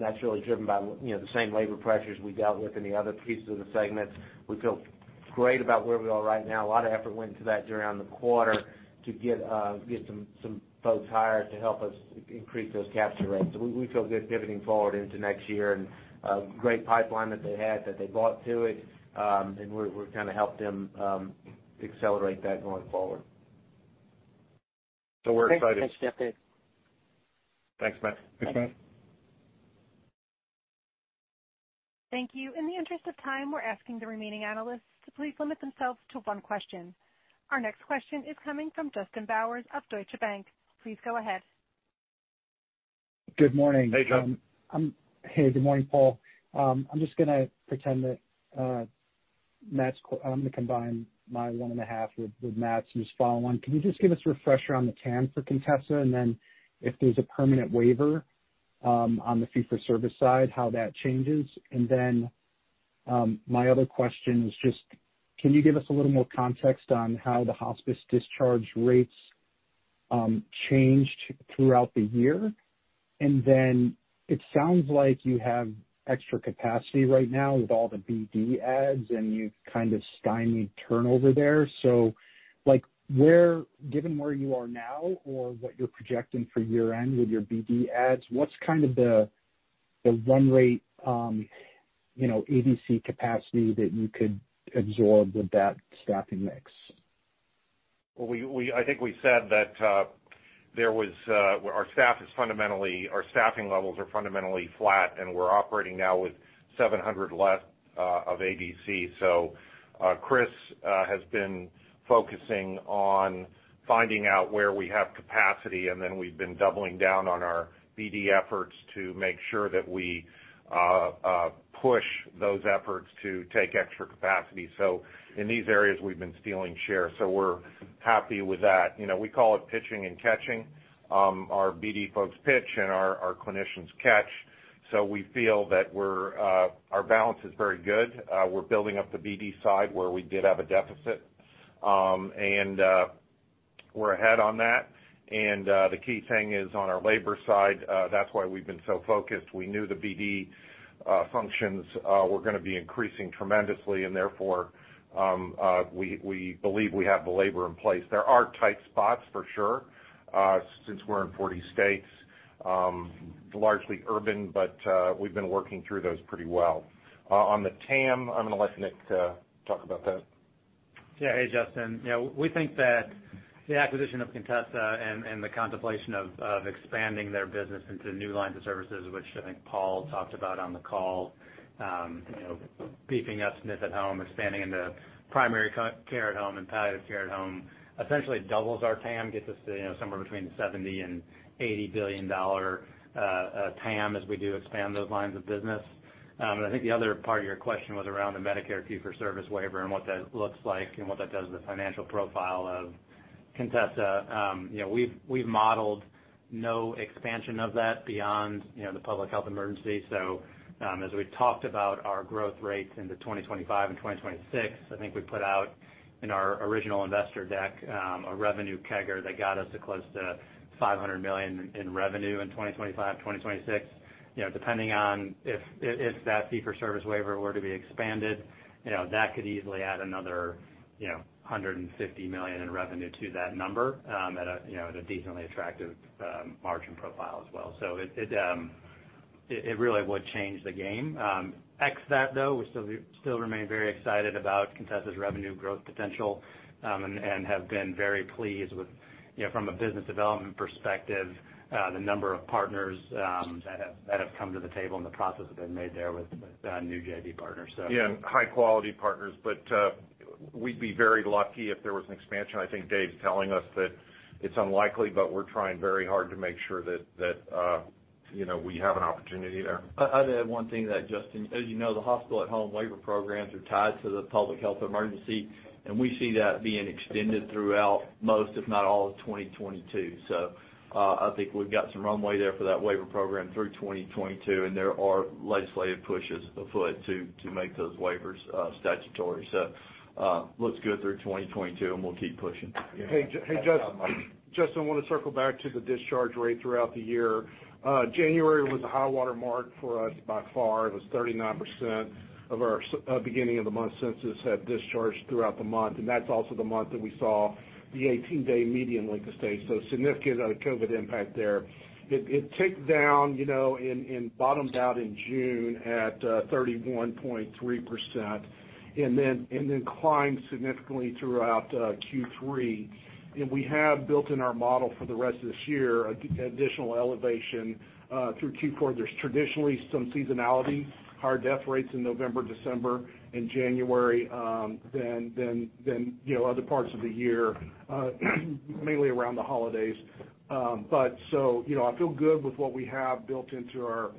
That's really driven by, you know, the same labor pressures we dealt with in the other pieces of the segment. We feel great about where we are right now. A lot of effort went into that during the quarter to get some folks hired to help us increase those capture rates. We feel good pivoting forward into next year, and great pipeline that they had that they brought to it, and we're gonna help them accelerate that going forward. We're excited. Thanks for the update. Thanks, Matt. Thanks. Thanks. Thank you. In the interest of time, we're asking the remaining analysts to please limit themselves to one question. Our next question is coming from Justin Bowers of Deutsche Bank. Please go ahead. Good morning. Hey, Justin. Hey, good morning, Paul. I'm just gonna pretend that I'm gonna combine my one and a half with Matt's and just follow on. Can you just give us a refresher on the TAM for Contessa, and then if there's a permanent waiver on the fee for service side, how that changes? And then my other question is just, can you give us a little more context on how the hospice discharge rates changed throughout the year? And then it sounds like you have extra capacity right now with all the BD adds, and you've kind of stymied turnover there. So, like, where given where you are now or what you're projecting for year-end with your BD adds, what's kind of the run rate, you know, ADC capacity that you could absorb with that staffing mix? Well, I think we said that our staffing levels are fundamentally flat, and we're operating now with 700 less of ADC. Chris has been focusing on finding out where we have capacity, and then we've been doubling down on our BD efforts to make sure that we push those efforts to take extra capacity. In these areas, we've been stealing share, so we're happy with that. You know, we call it pitching and catching. Our BD folks pitch, and our clinicians catch. We feel that our balance is very good. We're building up the BD side where we did have a deficit, and we're ahead on that. The key thing is on our labor side, that's why we've been so focused. We knew the BD functions were gonna be increasing tremendously and therefore, we believe we have the labor in place. There are tight spots for sure, since we're in 40 states, largely urban, but we've been working through those pretty well. On the TAM, I'm gonna let Nick talk about that. Hey, Justin. You know, we think that the acquisition of Contessa and the contemplation of expanding their business into new lines of services, which I think Paul talked about on the call, you know, beefing up SNF at home, expanding into primary care at home and palliative care at home, essentially doubles our TAM, gets us to, you know, somewhere between $70 billion and $80 billion TAM as we do expand those lines of business. I think the other part of your question was around the Medicare fee-for-service waiver and what that looks like and what that does to the financial profile of Contessa. You know, we've modeled no expansion of that beyond, you know, the public health emergency. As we talked about our growth rates into 2025 and 2026, I think we put out in our original investor deck a revenue CAGR that got us to close to $500 million in revenue in 2025, 2026. You know, depending on if that fee-for-service waiver were to be expanded, you know, that could easily add another, you know, $150 million in revenue to that number, at a, you know, at a decently attractive margin profile as well. It really would change the game. Except that though, we still remain very excited about Contessa's revenue growth potential, and have been very pleased with, you know, from a business development perspective, the number of partners that have come to the table and the progress that's been made there with new JV partners. Yeah, high-quality partners. We'd be very lucky if there was an expansion. I think Dave's telling us that it's unlikely, but we're trying very hard to make sure that you know, we have an opportunity there. I'd add one thing to that, Justin. As you know, the hospital at home waiver programs are tied to the public health emergency, and we see that being extended throughout most, if not all, of 2022. I think we've got some runway there for that waiver program through 2022, and there are legislative pushes afoot to make those waivers statutory. Looks good through 2022, and we'll keep pushing. Hey, Justin. Justin, want to circle back to the discharge rate throughout the year. January was a high water mark for us by far. It was 39% of our beginning of the month census had discharged throughout the month, and that's also the month that we saw the 18-day median length of stay, so significant of a COVID impact there. It ticked down, you know, and bottomed out in June at 31.3%, and then climbed significantly throughout Q3. We have built in our model for the rest of this year a additional elevation through Q4. There's traditionally some seasonality, higher death rates in November, December and January than other parts of the year, mainly around the holidays. You know, I feel good with what we have built into our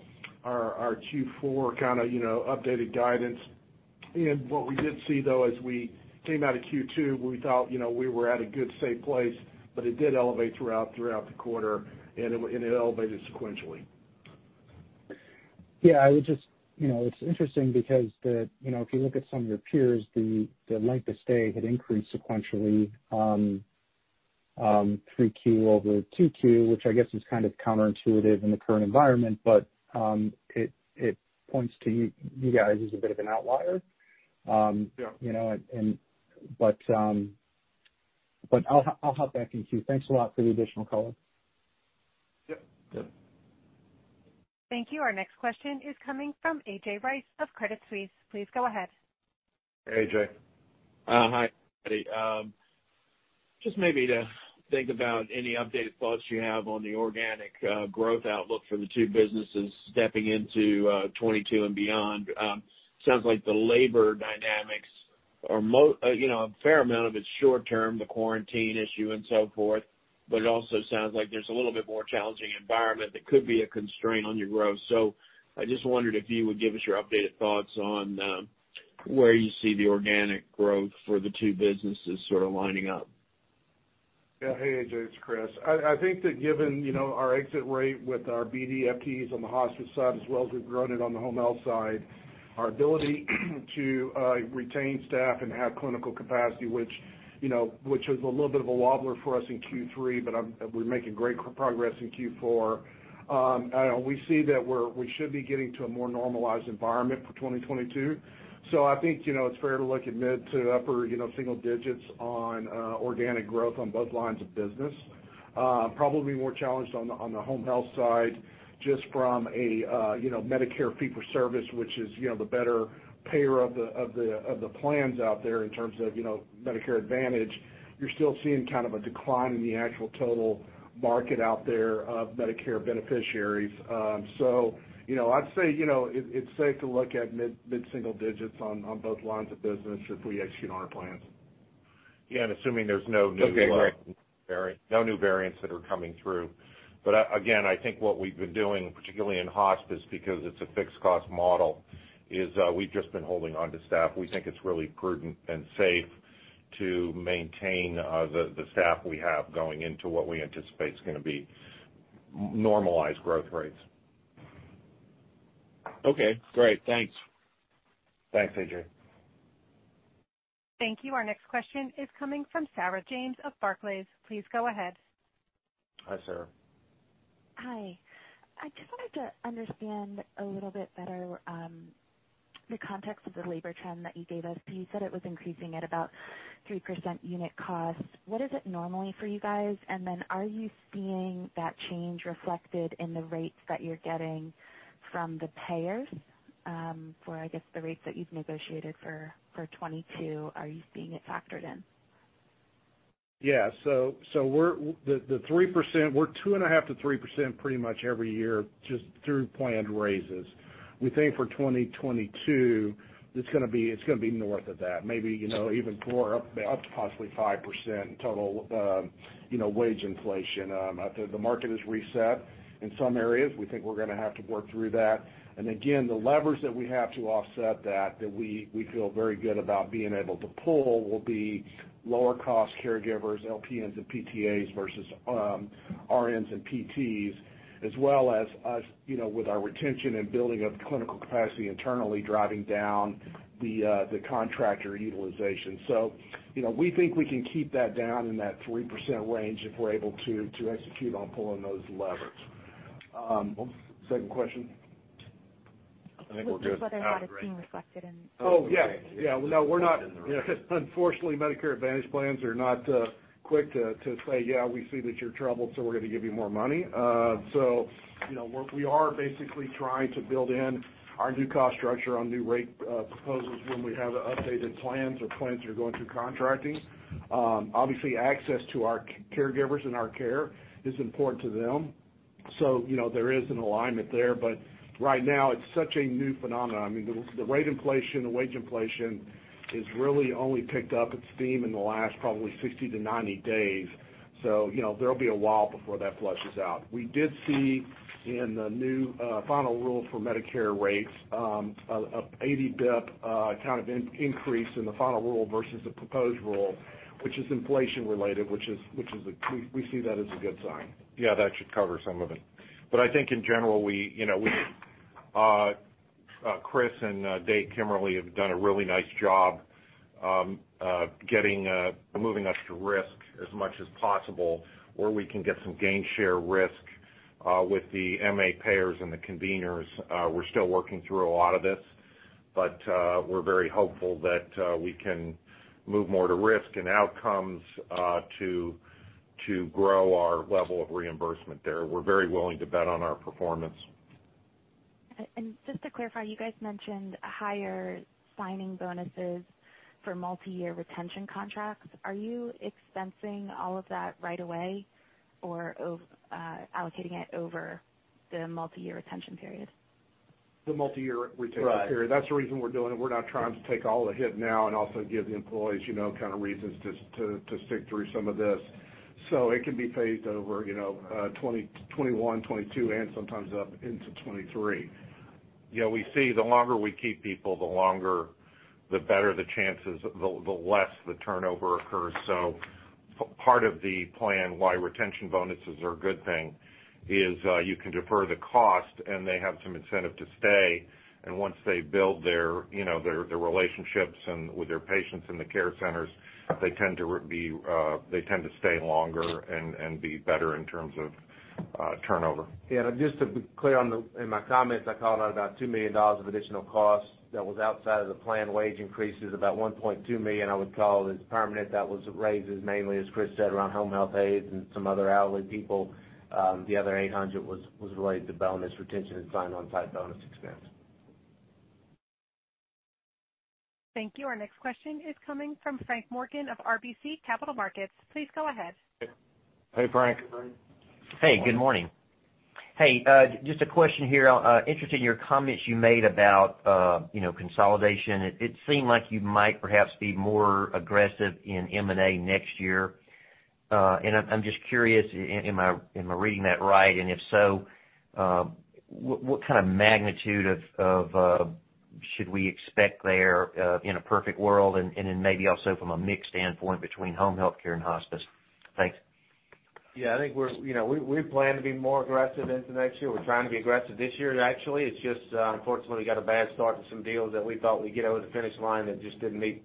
Q4 kinda, you know, updated guidance. What we did see, though, as we came out of Q2, we thought, you know, we were at a good, safe place, but it did elevate throughout the quarter, and it elevated sequentially. Yeah. I would just you know, it's interesting because the you know, if you look at some of your peers, the length of stay had increased sequentially, 3Q over 2Q, which I guess is kind of counterintuitive in the current environment. But it points to you guys as a bit of an outlier. Yeah. You know, I'll hop back in queue. Thanks a lot for the additional color. Yep. Yep. Thank you. Our next question is coming from AJ Rice of Credit Suisse. Please go ahead. Hey, AJ. Hi, everybody. Just maybe to think about any updated thoughts you have on the organic growth outlook for the two businesses stepping into 2022 and beyond. Sounds like the labor dynamics are, you know, a fair amount of it's short term, the quarantine issue and so forth, but it also sounds like there's a little bit more challenging environment that could be a constraint on your growth. I just wondered if you would give us your updated thoughts on where you see the organic growth for the two businesses sort of lining up. Yeah. Hey, AJ, it's Chris. I think that given, you know, our exit rate with our BD FTEs on the hospice side, as well as we've grown it on the home health side, our ability to retain staff and have clinical capacity, which, you know, was a little bit of a wobbler for us in Q3, but we're making great progress in Q4. I know we see that we should be getting to a more normalized environment for 2022. I think, you know, it's fair to look at mid- to upper-single digits on organic growth on both lines of business. Probably more challenged on the home health side just from you know, Medicare fee-for-service, which is you know, the better payer of the plans out there in terms of you know, Medicare Advantage. You're still seeing kind of a decline in the actual total market out there of Medicare beneficiaries. You know, I'd say you know, it's safe to look at mid-single digits on both lines of business if we execute on our plans. Yeah, assuming there's no new- Okay, great.... variant, no new variants that are coming through. Again, I think what we've been doing, particularly in hospice, because it's a fixed cost model, is, we've just been holding onto staff. We think it's really prudent and safe to maintain, the staff we have going into what we anticipate is gonna be normalized growth rates. Okay, great. Thanks. Thanks, AJ. Thank you. Our next question is coming from Sarah James of Barclays. Please go ahead. Hi, Sarah. Hi. I just wanted to understand a little bit better the context of the labor trend that you gave us. You said it was increasing at about 3% unit cost. What is it normally for you guys? And then are you seeing that change reflected in the rates that you're getting from the payers for, I guess, the rates that you've negotiated for 2022? Are you seeing it factored in? Yeah. We're 2.5%-3% pretty much every year just through planned raises. We think for 2022, it's gonna be north of that, maybe, you know, even more up to possibly 5% total, you know, wage inflation. The market has reset in some areas. We think we're gonna have to work through that. The levers that we have to offset that we feel very good about being able to pull will be lower cost caregivers, LPNs and PTAs versus RNs and PTs, as well as us, you know, with our retention and building of clinical capacity internally, driving down the contractor utilization. You know, we think we can keep that down in that 3% range if we're able to to execute on pulling those levers. Second question? I think we're good. Whether that is being reflected in. Oh, yeah. Yeah. No, we're not. Unfortunately, Medicare Advantage plans are not quick to say, "Yeah, we see that you're troubled, so we're gonna give you more money." So you know, we are basically trying to build in our new cost structure, our new rate proposals when we have updated plans or plans that are going through contracting. Obviously, access to our caregivers and our care is important to them. So, you know, there is an alignment there. But right now, it's such a new phenomenon. I mean, the rate inflation, the wage inflation has really only picked up its steam in the last probably 60-90 days. So, you know, there'll be a while before that flushes out. We did see in the new final rule for Medicare rates an 80 bp kind of increase in the final rule versus the proposed rule, which is inflation related, which we see that as a good sign. Yeah, that should cover some of it. I think in general, we, you know, Chris and Dave Kemmerly have done a really nice job, getting us moving to risk as much as possible where we can get some gain share risk with the MA payers and the conveners. We're still working through a lot of this. We're very hopeful that we can move more to risk and outcomes to grow our level of reimbursement there. We're very willing to bet on our performance. Just to clarify, you guys mentioned higher signing bonuses for multi-year retention contracts. Are you expensing all of that right away or allocating it over the multi-year retention period? The multi-year retention period. Right. That's the reason we're doing it. We're not trying to take all the hit now and also give the employees, you know, kind of reasons to stick through some of this. It can be phased over, you know, 2021, 2022, and sometimes up into 2023. Yeah, we see the longer we keep people, the longer the better the chances, the less the turnover occurs. Part of the plan why retention bonuses are a good thing is you can defer the cost, and they have some incentive to stay. Once they build their you know their relationships with their patients in the care centers, they tend to stay longer and be better in terms of turnover. Yeah, just to be clear on the, in my comments, I called out about $2 million of additional costs that was outside of the planned wage increases. About $1.2 million, I would call is permanent. That was raises mainly, as Chris said, around home health aides and some other hourly people. The other $800,000 was related to bonus retention and sign-on type bonus expense. Thank you. Our next question is coming from Frank Morgan of RBC Capital Markets. Please go ahead. Hey, Frank. Hey. Good morning. Hey, just a question here. I'm interested in your comments you made about, you know, consolidation. It seemed like you might perhaps be more aggressive in M&A next year. I'm just curious, am I reading that right? If so, what kind of magnitude of should we expect there, in a perfect world and then maybe also from a mix standpoint between home health care and hospice? Thanks. Yeah. I think we're, you know, we plan to be more aggressive into next year. We're trying to be aggressive this year, actually. It's just, unfortunately, we got a bad start to some deals that we thought we'd get over the finish line that just didn't meet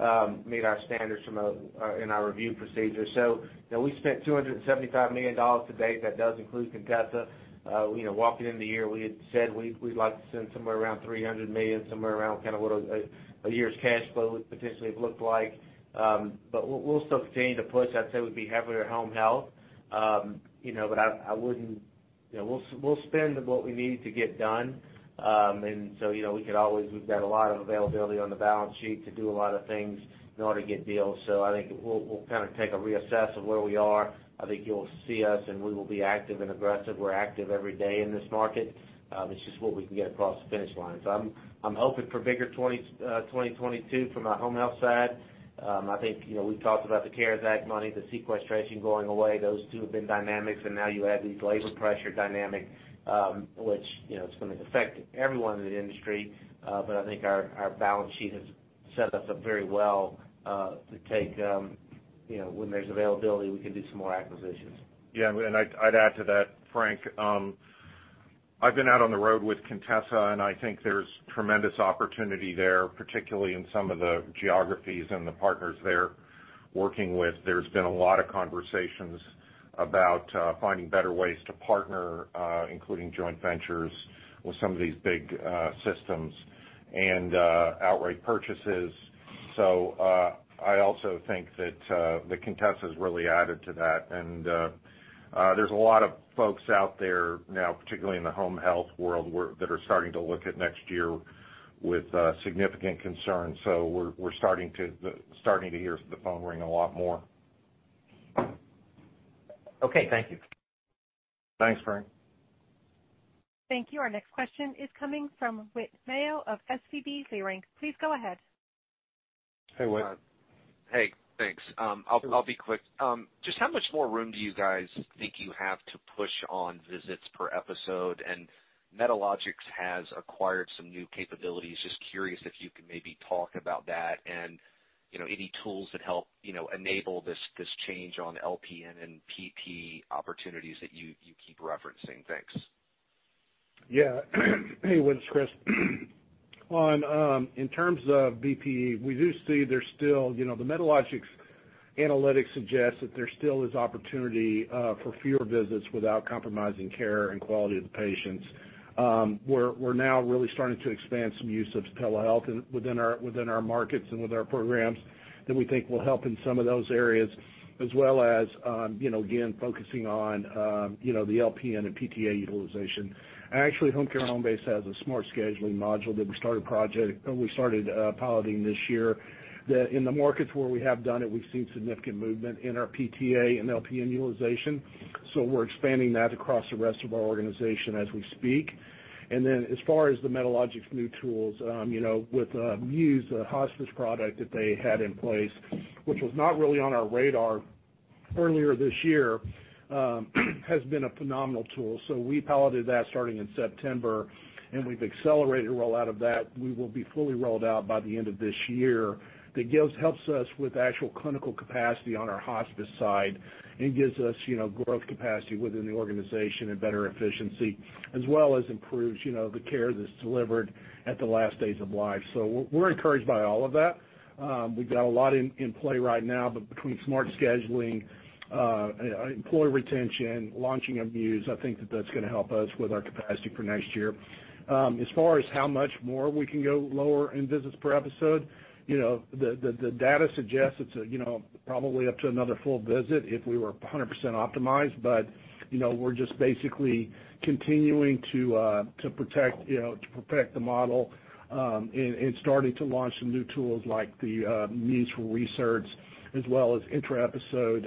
our standards from a in our review procedure. You know, we spent $275 million to date. That does include Contessa. You know, walking into the year, we had said we'd like to spend somewhere around $300 million, somewhere around kind of what a year's cash flow would potentially have looked like. We'll still continue to push. I'd say we'd be heavier home health. You know, I wouldn't. You know, we'll spend what we need to get done. You know, we could always, we've got a lot of availability on the balance sheet to do a lot of things in order to get deals. I think we'll kind of reassess where we are. I think you'll see us, and we will be active and aggressive. We're active every day in this market. It's just what we can get across the finish line. I'm hoping for bigger 2022 from our home health side. I think, you know, we've talked about the CARES Act money, the sequestration going away. Those two have been dynamics, and now you add these labor pressure dynamics, which, you know, it's gonna affect everyone in the industry. I think our balance sheet has set us up very well to take you know when there's availability we can do some more acquisitions. Yeah. I'd add to that, Frank. I've been out on the road with Contessa, and I think there's tremendous opportunity there, particularly in some of the geographies and the partners they're working with. There's been a lot of conversations about finding better ways to partner, including joint ventures with some of these big systems and outright purchases. I also think that Contessa's really added to that. There's a lot of folks out there now, particularly in the home health world, that are starting to look at next year. With significant concern. We're starting to hear the phone ring a lot more. Okay. Thank you. Thanks, Frank. Thank you. Our next question is coming from Whit Mayo of SVB Leerink. Please go ahead. Hey, Whit. Hey, thanks. I'll be quick. Just how much more room do you guys think you have to push on visits per episode? Medalogix has acquired some new capabilities. Just curious if you could maybe talk about that and, you know, any tools that help, you know, enable this change on LPN and PT opportunities that you keep referencing. Thanks. Yeah. Hey, Whit, it's Chris. In terms of BP, we do see there's still, you know, the Medalogix analytics suggests that there still is opportunity for fewer visits without compromising care and quality of the patients. We're now really starting to expand some use of telehealth and within our markets and with our programs that we think will help in some of those areas, as well as, you know, again, focusing on the LPN and PTA utilization. Actually, Homecare Homebase has a smart scheduling module that we started piloting this year. That in the markets where we have done it, we've seen significant movement in our PTA and LPN utilization. We're expanding that across the rest of our organization as we speak. As far as the Medalogix new tools, you know, with Muse, a hospice product that they had in place, which was not really on our radar earlier this year, has been a phenomenal tool. We piloted that starting in September, and we've accelerated the roll-out of that. We will be fully rolled out by the end of this year. That helps us with actual clinical capacity on our hospice side and gives us, you know, growth capacity within the organization and better efficiency, as well as improves, you know, the care that's delivered at the last days of life. We're encouraged by all of that. We've got a lot in play right now, but between smart scheduling, employee retention, launching of Muse, I think that's gonna help us with our capacity for next year. As far as how much more we can go lower in visits per episode, you know, the data suggests it's, you know, probably up to another full visit if we were 100% optimized. You know, we're just basically continuing to protect, you know, to perfect the model, and starting to launch some new tools like the Medalogix Muse as well as intra-episode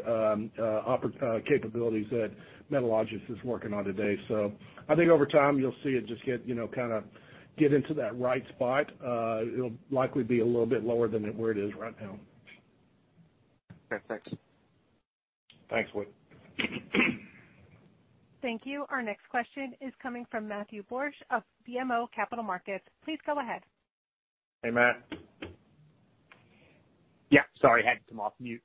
capabilities that Medalogix is working on today. I think over time, you'll see it just get, you know, kinda get into that right spot. It'll likely be a little bit lower than where it is right now. Okay. Thanks. Thanks, Whit. Thank you. Our next question is coming from Matthew Borsch of BMO Capital Markets. Please go ahead. Hey, Matt. Yeah, sorry, had to come off mute.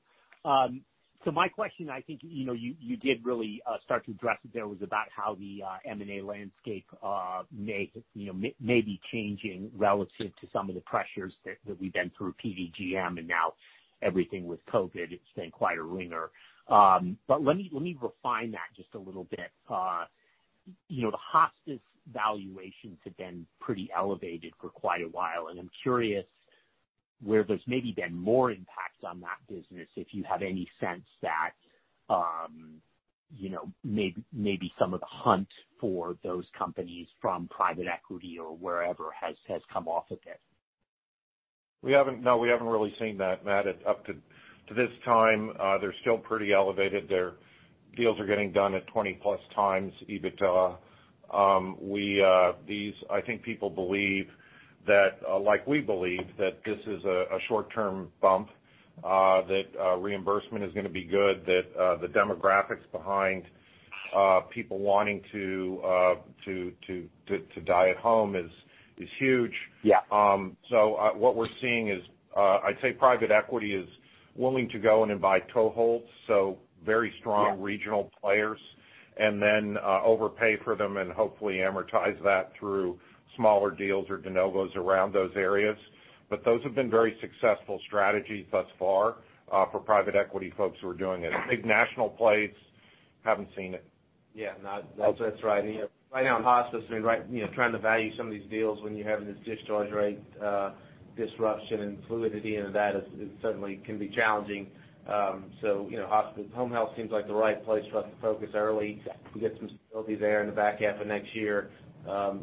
So my question, I think, you know, you did really start to address it as to how the M&A landscape may, you know, be changing relative to some of the pressures that we've been through PDGM and now everything with COVID. It's been quite a ringer. Let me refine that just a little bit. You know, the hospice valuations have been pretty elevated for quite a while, and I'm curious where there's maybe been more impact on that business, if you have any sense that, you know, maybe some of the hunt for those companies from private equity or wherever has come off of it. We haven't. No, we haven't really seen that, Matt. Up to this time, they're still pretty elevated. Their deals are getting done at 20+x EBITDA. I think people believe that, like we believe, that this is a short-term bump, that reimbursement is gonna be good, that the demographics behind people wanting to die at home is huge. Yeah. What we're seeing is I'd say private equity is willing to go in and buy toeholds, so very strong. Yeah regional players, and then, overpay for them and hopefully amortize that through smaller deals or de novos around those areas. Those have been very successful strategies thus far, for private equity folks who are doing it. I think national players haven't seen it. Yeah. No, that's right. You know, right now in hospice, I mean, right, you know, trying to value some of these deals when you're having this discharge rate, disruption and fluidity into that is certainly can be challenging. You know, home health seems like the right place for us to focus early. Yeah. If we get some stability there in the back half of next year,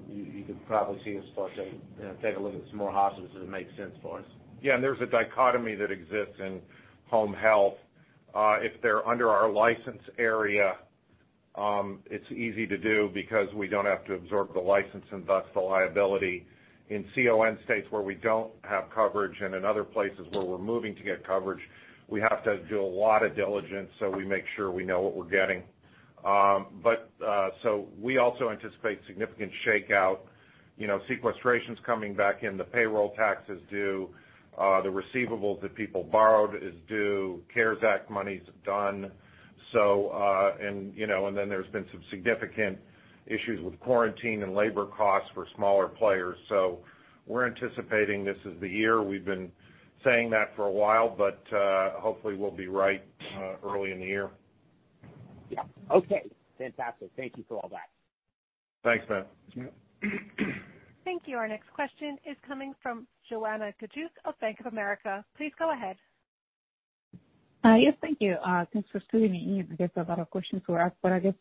you could probably see us focus on, you know, take a look at some more hospices if it makes sense for us. Yeah, there's a dichotomy that exists in home health. If they're under our license area, it's easy to do because we don't have to absorb the license and thus the liability. In CON states where we don't have coverage and in other places where we're moving to get coverage, we have to do a lot of diligence, so we make sure we know what we're getting. We also anticipate significant shakeout. You know, sequestration's coming back in, the payroll tax is due, the receivables that people borrowed is due, CARES Act money's done. You know, and then there's been some significant issues with quarantine and labor costs for smaller players. We're anticipating this is the year. We've been saying that for a while, but hopefully we'll be right early in the year. Yeah. Okay. Fantastic. Thank you for all that. Thanks, Matt. Yeah. Thank you. Our next question is coming from Joanna Gajuk of Bank of America. Please go ahead. Yes, thank you. Thanks for squeezing me in. I guess a lot of questions were asked, but I guess,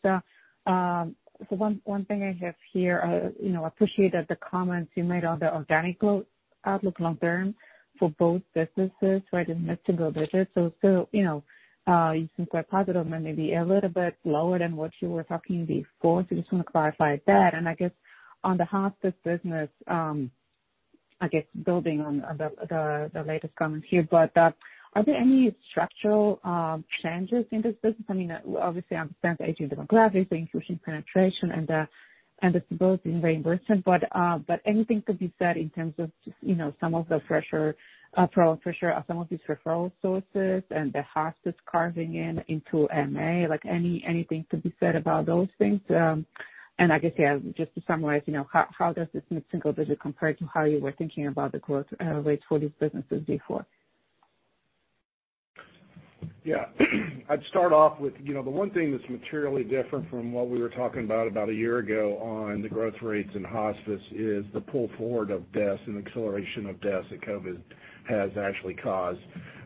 so one thing I have here, you know, appreciate that the comments you made on the organic growth outlook long term for both businesses, right? In mid-single digits. You know, you seem quite positive and maybe a little bit lower than what you were talking before. Just wanna clarify that. I guess on the hospice business, I guess building on the latest comment here, but are there any structural changes in this business? I mean, obviously, I understand the aging demographics, the infusion penetration and the stability in reimbursement. Anything to be said in terms of, you know, some of the pressure, for sure, some of these referral sources and the hospice carving in into MA, like anything to be said about those things? I guess, yeah, just to summarize, you know, how does this mid-single digit compare to how you were thinking about the growth rates for these businesses before? Yeah. I'd start off with, you know, the one thing that's materially different from what we were talking about a year ago on the growth rates in hospice is the pull forward of deaths and acceleration of deaths that COVID has actually caused.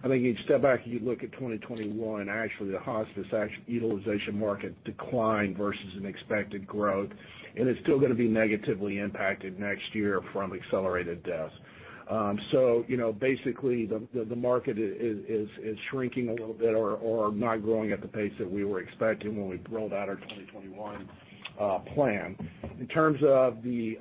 I think you step back and you look at 2021, actually, the hospice utilization market declined versus an expected growth, and it's still gonna be negatively impacted next year from accelerated deaths. You know, basically, the market is shrinking a little bit or not growing at the pace that we were expecting when we rolled out our 2021 plan. In terms of the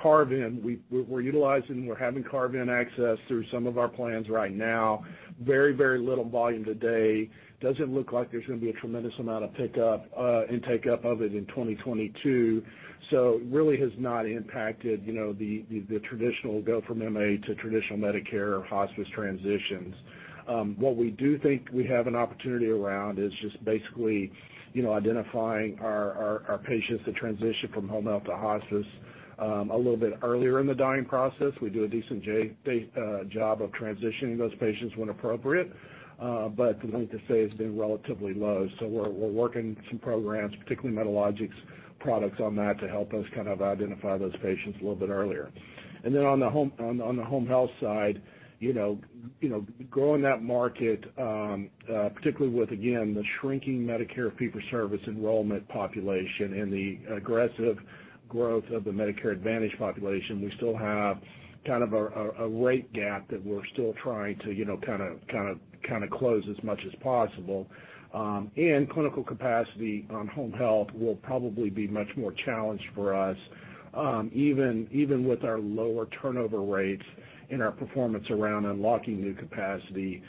carve in, we're utilizing, we're having carve in access through some of our plans right now. Very little volume today. Doesn't look like there's gonna be a tremendous amount of pickup and take up of it in 2022. Really has not impacted, you know, the traditional go from MA to traditional Medicare hospice transitions. What we do think we have an opportunity around is just basically, you know, identifying our patients that transition from home health to hospice a little bit earlier in the dying process. We do a decent job of transitioning those patients when appropriate, but the length of stay has been relatively low. We're working some programs, particularly Medalogix products on that to help us kind of identify those patients a little bit earlier. On the home health side, you know, growing that market, particularly with, again, the shrinking Medicare fee-for-service enrollment population and the aggressive growth of the Medicare Advantage population, we still have kind of a rate gap that we're still trying to, you know, kinda close as much as possible. Clinical capacity on home health will probably be much more challenged for us, even with our lower turnover rates and our performance around unlocking new capacity,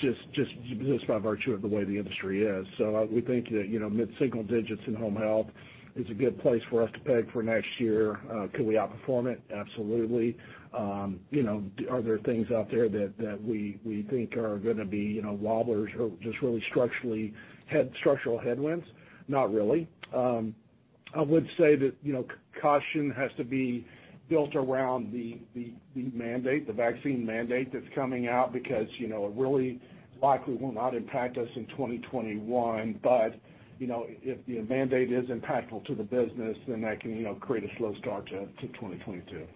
just by virtue of the way the industry is. We think that, you know, mid-single digits in home health is a good place for us to peg for next year. Can we outperform it? Absolutely. You know, are there things out there that we think are gonna be, you know, wobblers or just really structural headwinds? Not really. I would say that, you know, caution has to be built around the mandate, the vaccine mandate that's coming out because, you know, it really likely will not impact us in 2021. You know, if the mandate is impactful to the business, then that can, you know, create a slow start to 2022.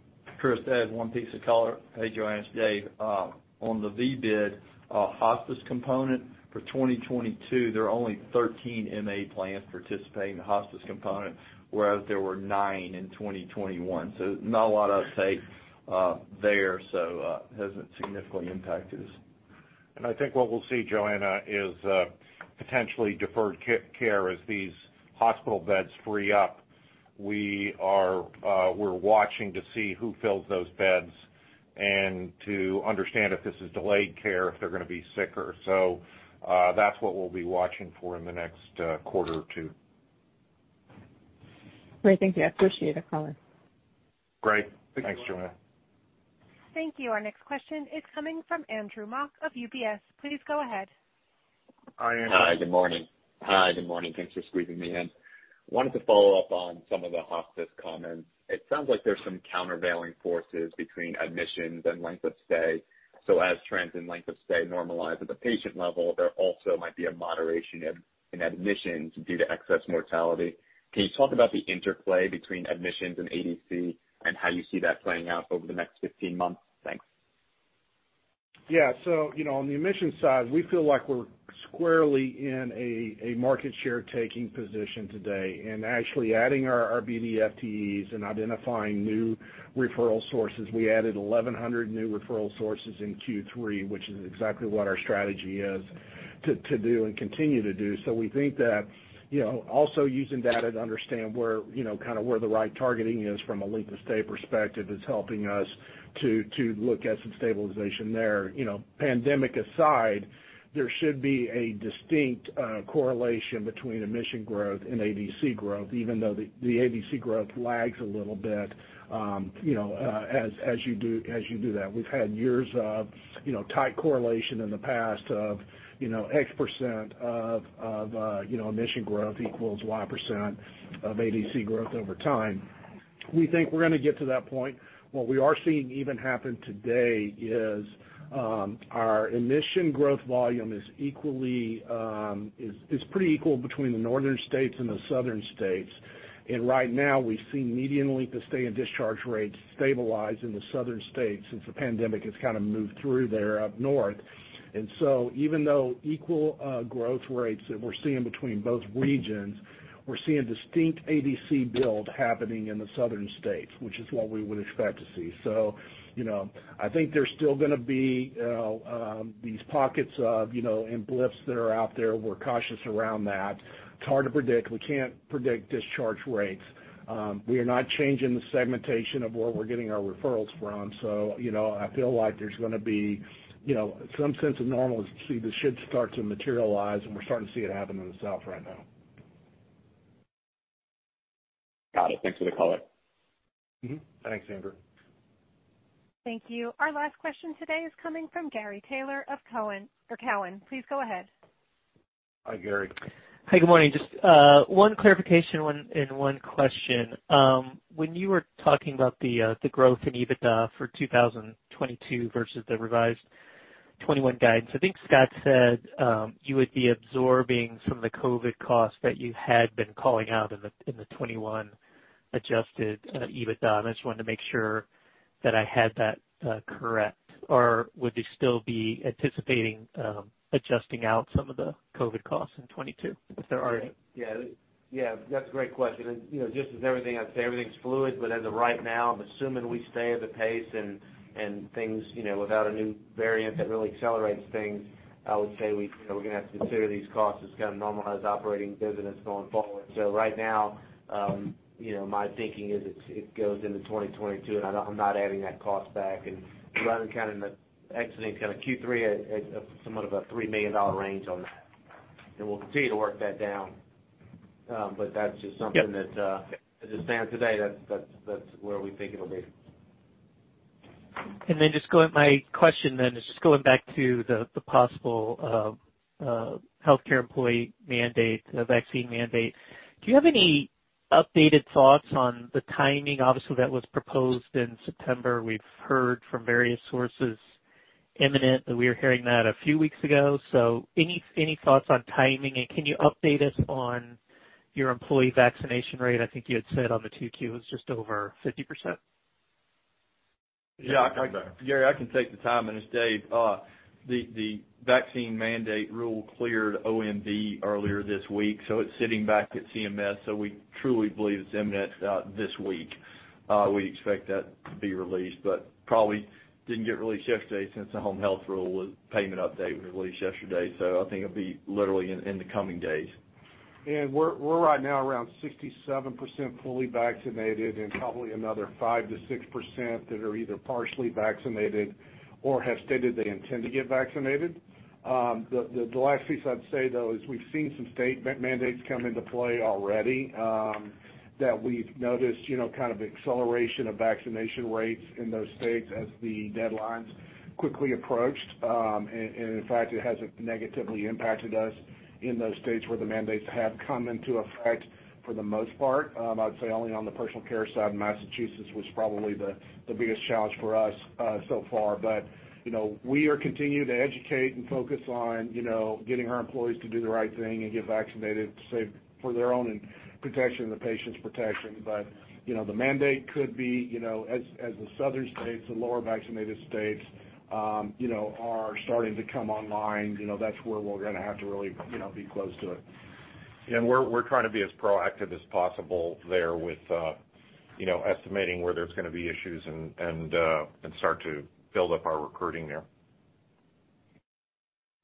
Chris, to add one piece of color, hey Joanna, it's Dave. On the VBID hospice component for 2022, there are only 13 MA plans participating in the hospice component, whereas there were nine in 2021. Not a lot at stake there, so hasn't significantly impacted us. I think what we'll see, Joanna, is potentially deferred care as these hospital beds free up. We're watching to see who fills those beds and to understand if this is delayed care, if they're gonna be sicker. That's what we'll be watching for in the next quarter or two. Great. Thank you. I appreciate the color. Great. Thanks, Joanna. Thank you. Our next question is coming from Andrew Mok of UBS. Please go ahead. Hi, Andrew. Hi, good morning. Hi, good morning. Thanks for squeezing me in. Wanted to follow up on some of the hospice comments. It sounds like there's some countervailing forces between admissions and length of stay. As trends in length of stay normalize at the patient level, there also might be a moderation in admissions due to excess mortality. Can you talk about the interplay between admissions and ADC and how you see that playing out over the next 15 months? Thanks. Yeah. You know, on the admissions side, we feel like we're squarely in a market share taking position today and actually adding our BD FTEs and identifying new referral sources. We added 1,100 new referral sources in Q3, which is exactly what our strategy is to do and continue to do. We think that, you know, also using data to understand where, you know, kinda where the right targeting is from a length of stay perspective is helping us to look at some stabilization there. You know, pandemic aside, there should be a distinct correlation between admission growth and ADC growth, even though the ADC growth lags a little bit, you know, as you do that. We've had years of, you know, tight correlation in the past of, you know, X% of admission growth equals Y% of ADC growth over time. We think we're gonna get to that point. What we are seeing even happen today is our admission growth volume is pretty equal between the northern states and the southern states. Right now, we've seen median length of stay and discharge rates stabilize in the southern states since the pandemic has kinda moved through there up north. Even though equal growth rates that we're seeing between both regions, we're seeing distinct ADC build happening in the southern states, which is what we would expect to see. You know, I think there's still gonna be these pockets of, you know, and blips that are out there. We're cautious around that. It's hard to predict. We can't predict discharge rates. We are not changing the segmentation of where we're getting our referrals from. You know, I feel like there's gonna be, you know, some sense of normalcy that should start to materialize, and we're starting to see it happen in the South right now. Got it. Thanks for the color. Mm-hmm. Thanks, Andrew. Thank you. Our last question today is coming from Gary Taylor of Cowen. Please go ahead. Hi, Gary. Hi, good morning. Just one clarification and one question. When you were talking about the growth in EBITDA for 2022 versus the revised 2021 guidance, I think Scott said you would be absorbing some of the COVID costs that you had been calling out in the 2021 adjusted EBITDA. I just wanted to make sure that I had that correct. Or would you still be anticipating adjusting out some of the COVID costs in 2022 if there are any? Yeah. Yeah, that's a great question. You know, just as everything I'd say, everything's fluid, but as of right now, I'm assuming we stay at the pace and things, you know, without a new variant that really accelerates things. I would say we, you know, we're gonna have to consider these costs as kinda normalized operating business going forward. Right now, my thinking is it goes into 2022, and I'm not adding that cost back. We're running kinda exiting Q3 at somewhat of a $3 million range on that. We'll continue to work that down. But that's just something that, as it stands today, that's where we think it'll be. My question then is just going back to the possible healthcare employee mandate, the vaccine mandate. Do you have any updated thoughts on the timing? Obviously, that was proposed in September. We've heard from various sources imminent, that we are hearing that a few weeks ago. Any thoughts on timing, and can you update us on your employee vaccination rate? I think you had said on the 2Q it was just over 50%. Yeah. Gary, I can take the time, and it's Dave. The vaccine mandate rule cleared OMB earlier this week, so it's sitting back at CMS. We truly believe it's imminent this week. We'd expect that to be released, but probably didn't get released yesterday since the home health rule payment update was released yesterday. I think it'll be literally in the coming days. We're right now around 67% fully vaccinated and probably another 5%-6% that are either partially vaccinated or have stated they intend to get vaccinated. The last piece I'd say, though, is we've seen some state vaccine mandates come into play already that we've noticed, you know, kind of acceleration of vaccination rates in those states as the deadlines quickly approached. In fact, it hasn't negatively impacted us in those states where the mandates have come into effect for the most part. I'd say only on the personal care side in Massachusetts was probably the biggest challenge for us so far. You know, we continue to educate and focus on, you know, getting our employees to do the right thing and get vaccinated to safeguard their own protection and the patients' protection. You know, the mandate could be, you know, as the Southern states, the lower vaccinated states, you know, are starting to come online, you know, that's where we're gonna have to really, you know, be close to it. We're trying to be as proactive as possible there with you know estimating where there's gonna be issues and start to build up our recruiting there.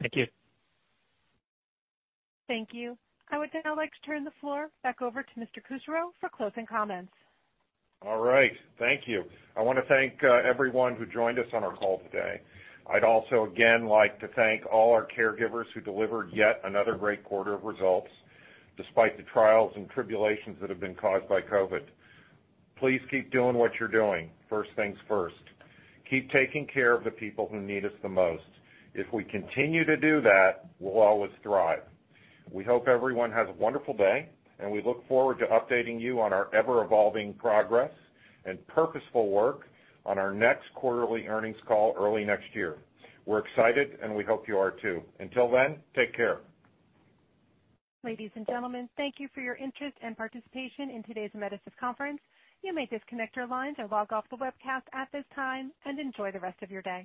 Thank you. Thank you. I would now like to turn the floor back over to Mr. Kusserow for closing comments. All right. Thank you. I wanna thank, everyone who joined us on our call today. I'd also again like to thank all our caregivers who delivered yet another great quarter of results, despite the trials and tribulations that have been caused by COVID. Please keep doing what you're doing. First things first, keep taking care of the people who need us the most. If we continue to do that, we'll always thrive. We hope everyone has a wonderful day, and we look forward to updating you on our ever-evolving progress and purposeful work on our next quarterly earnings call early next year. We're excited, and we hope you are too. Until then, take care. Ladies and gentlemen, thank you for your interest and participation in today's Amedisys conference. You may disconnect your lines and log off the webcast at this time, and enjoy the rest of your day.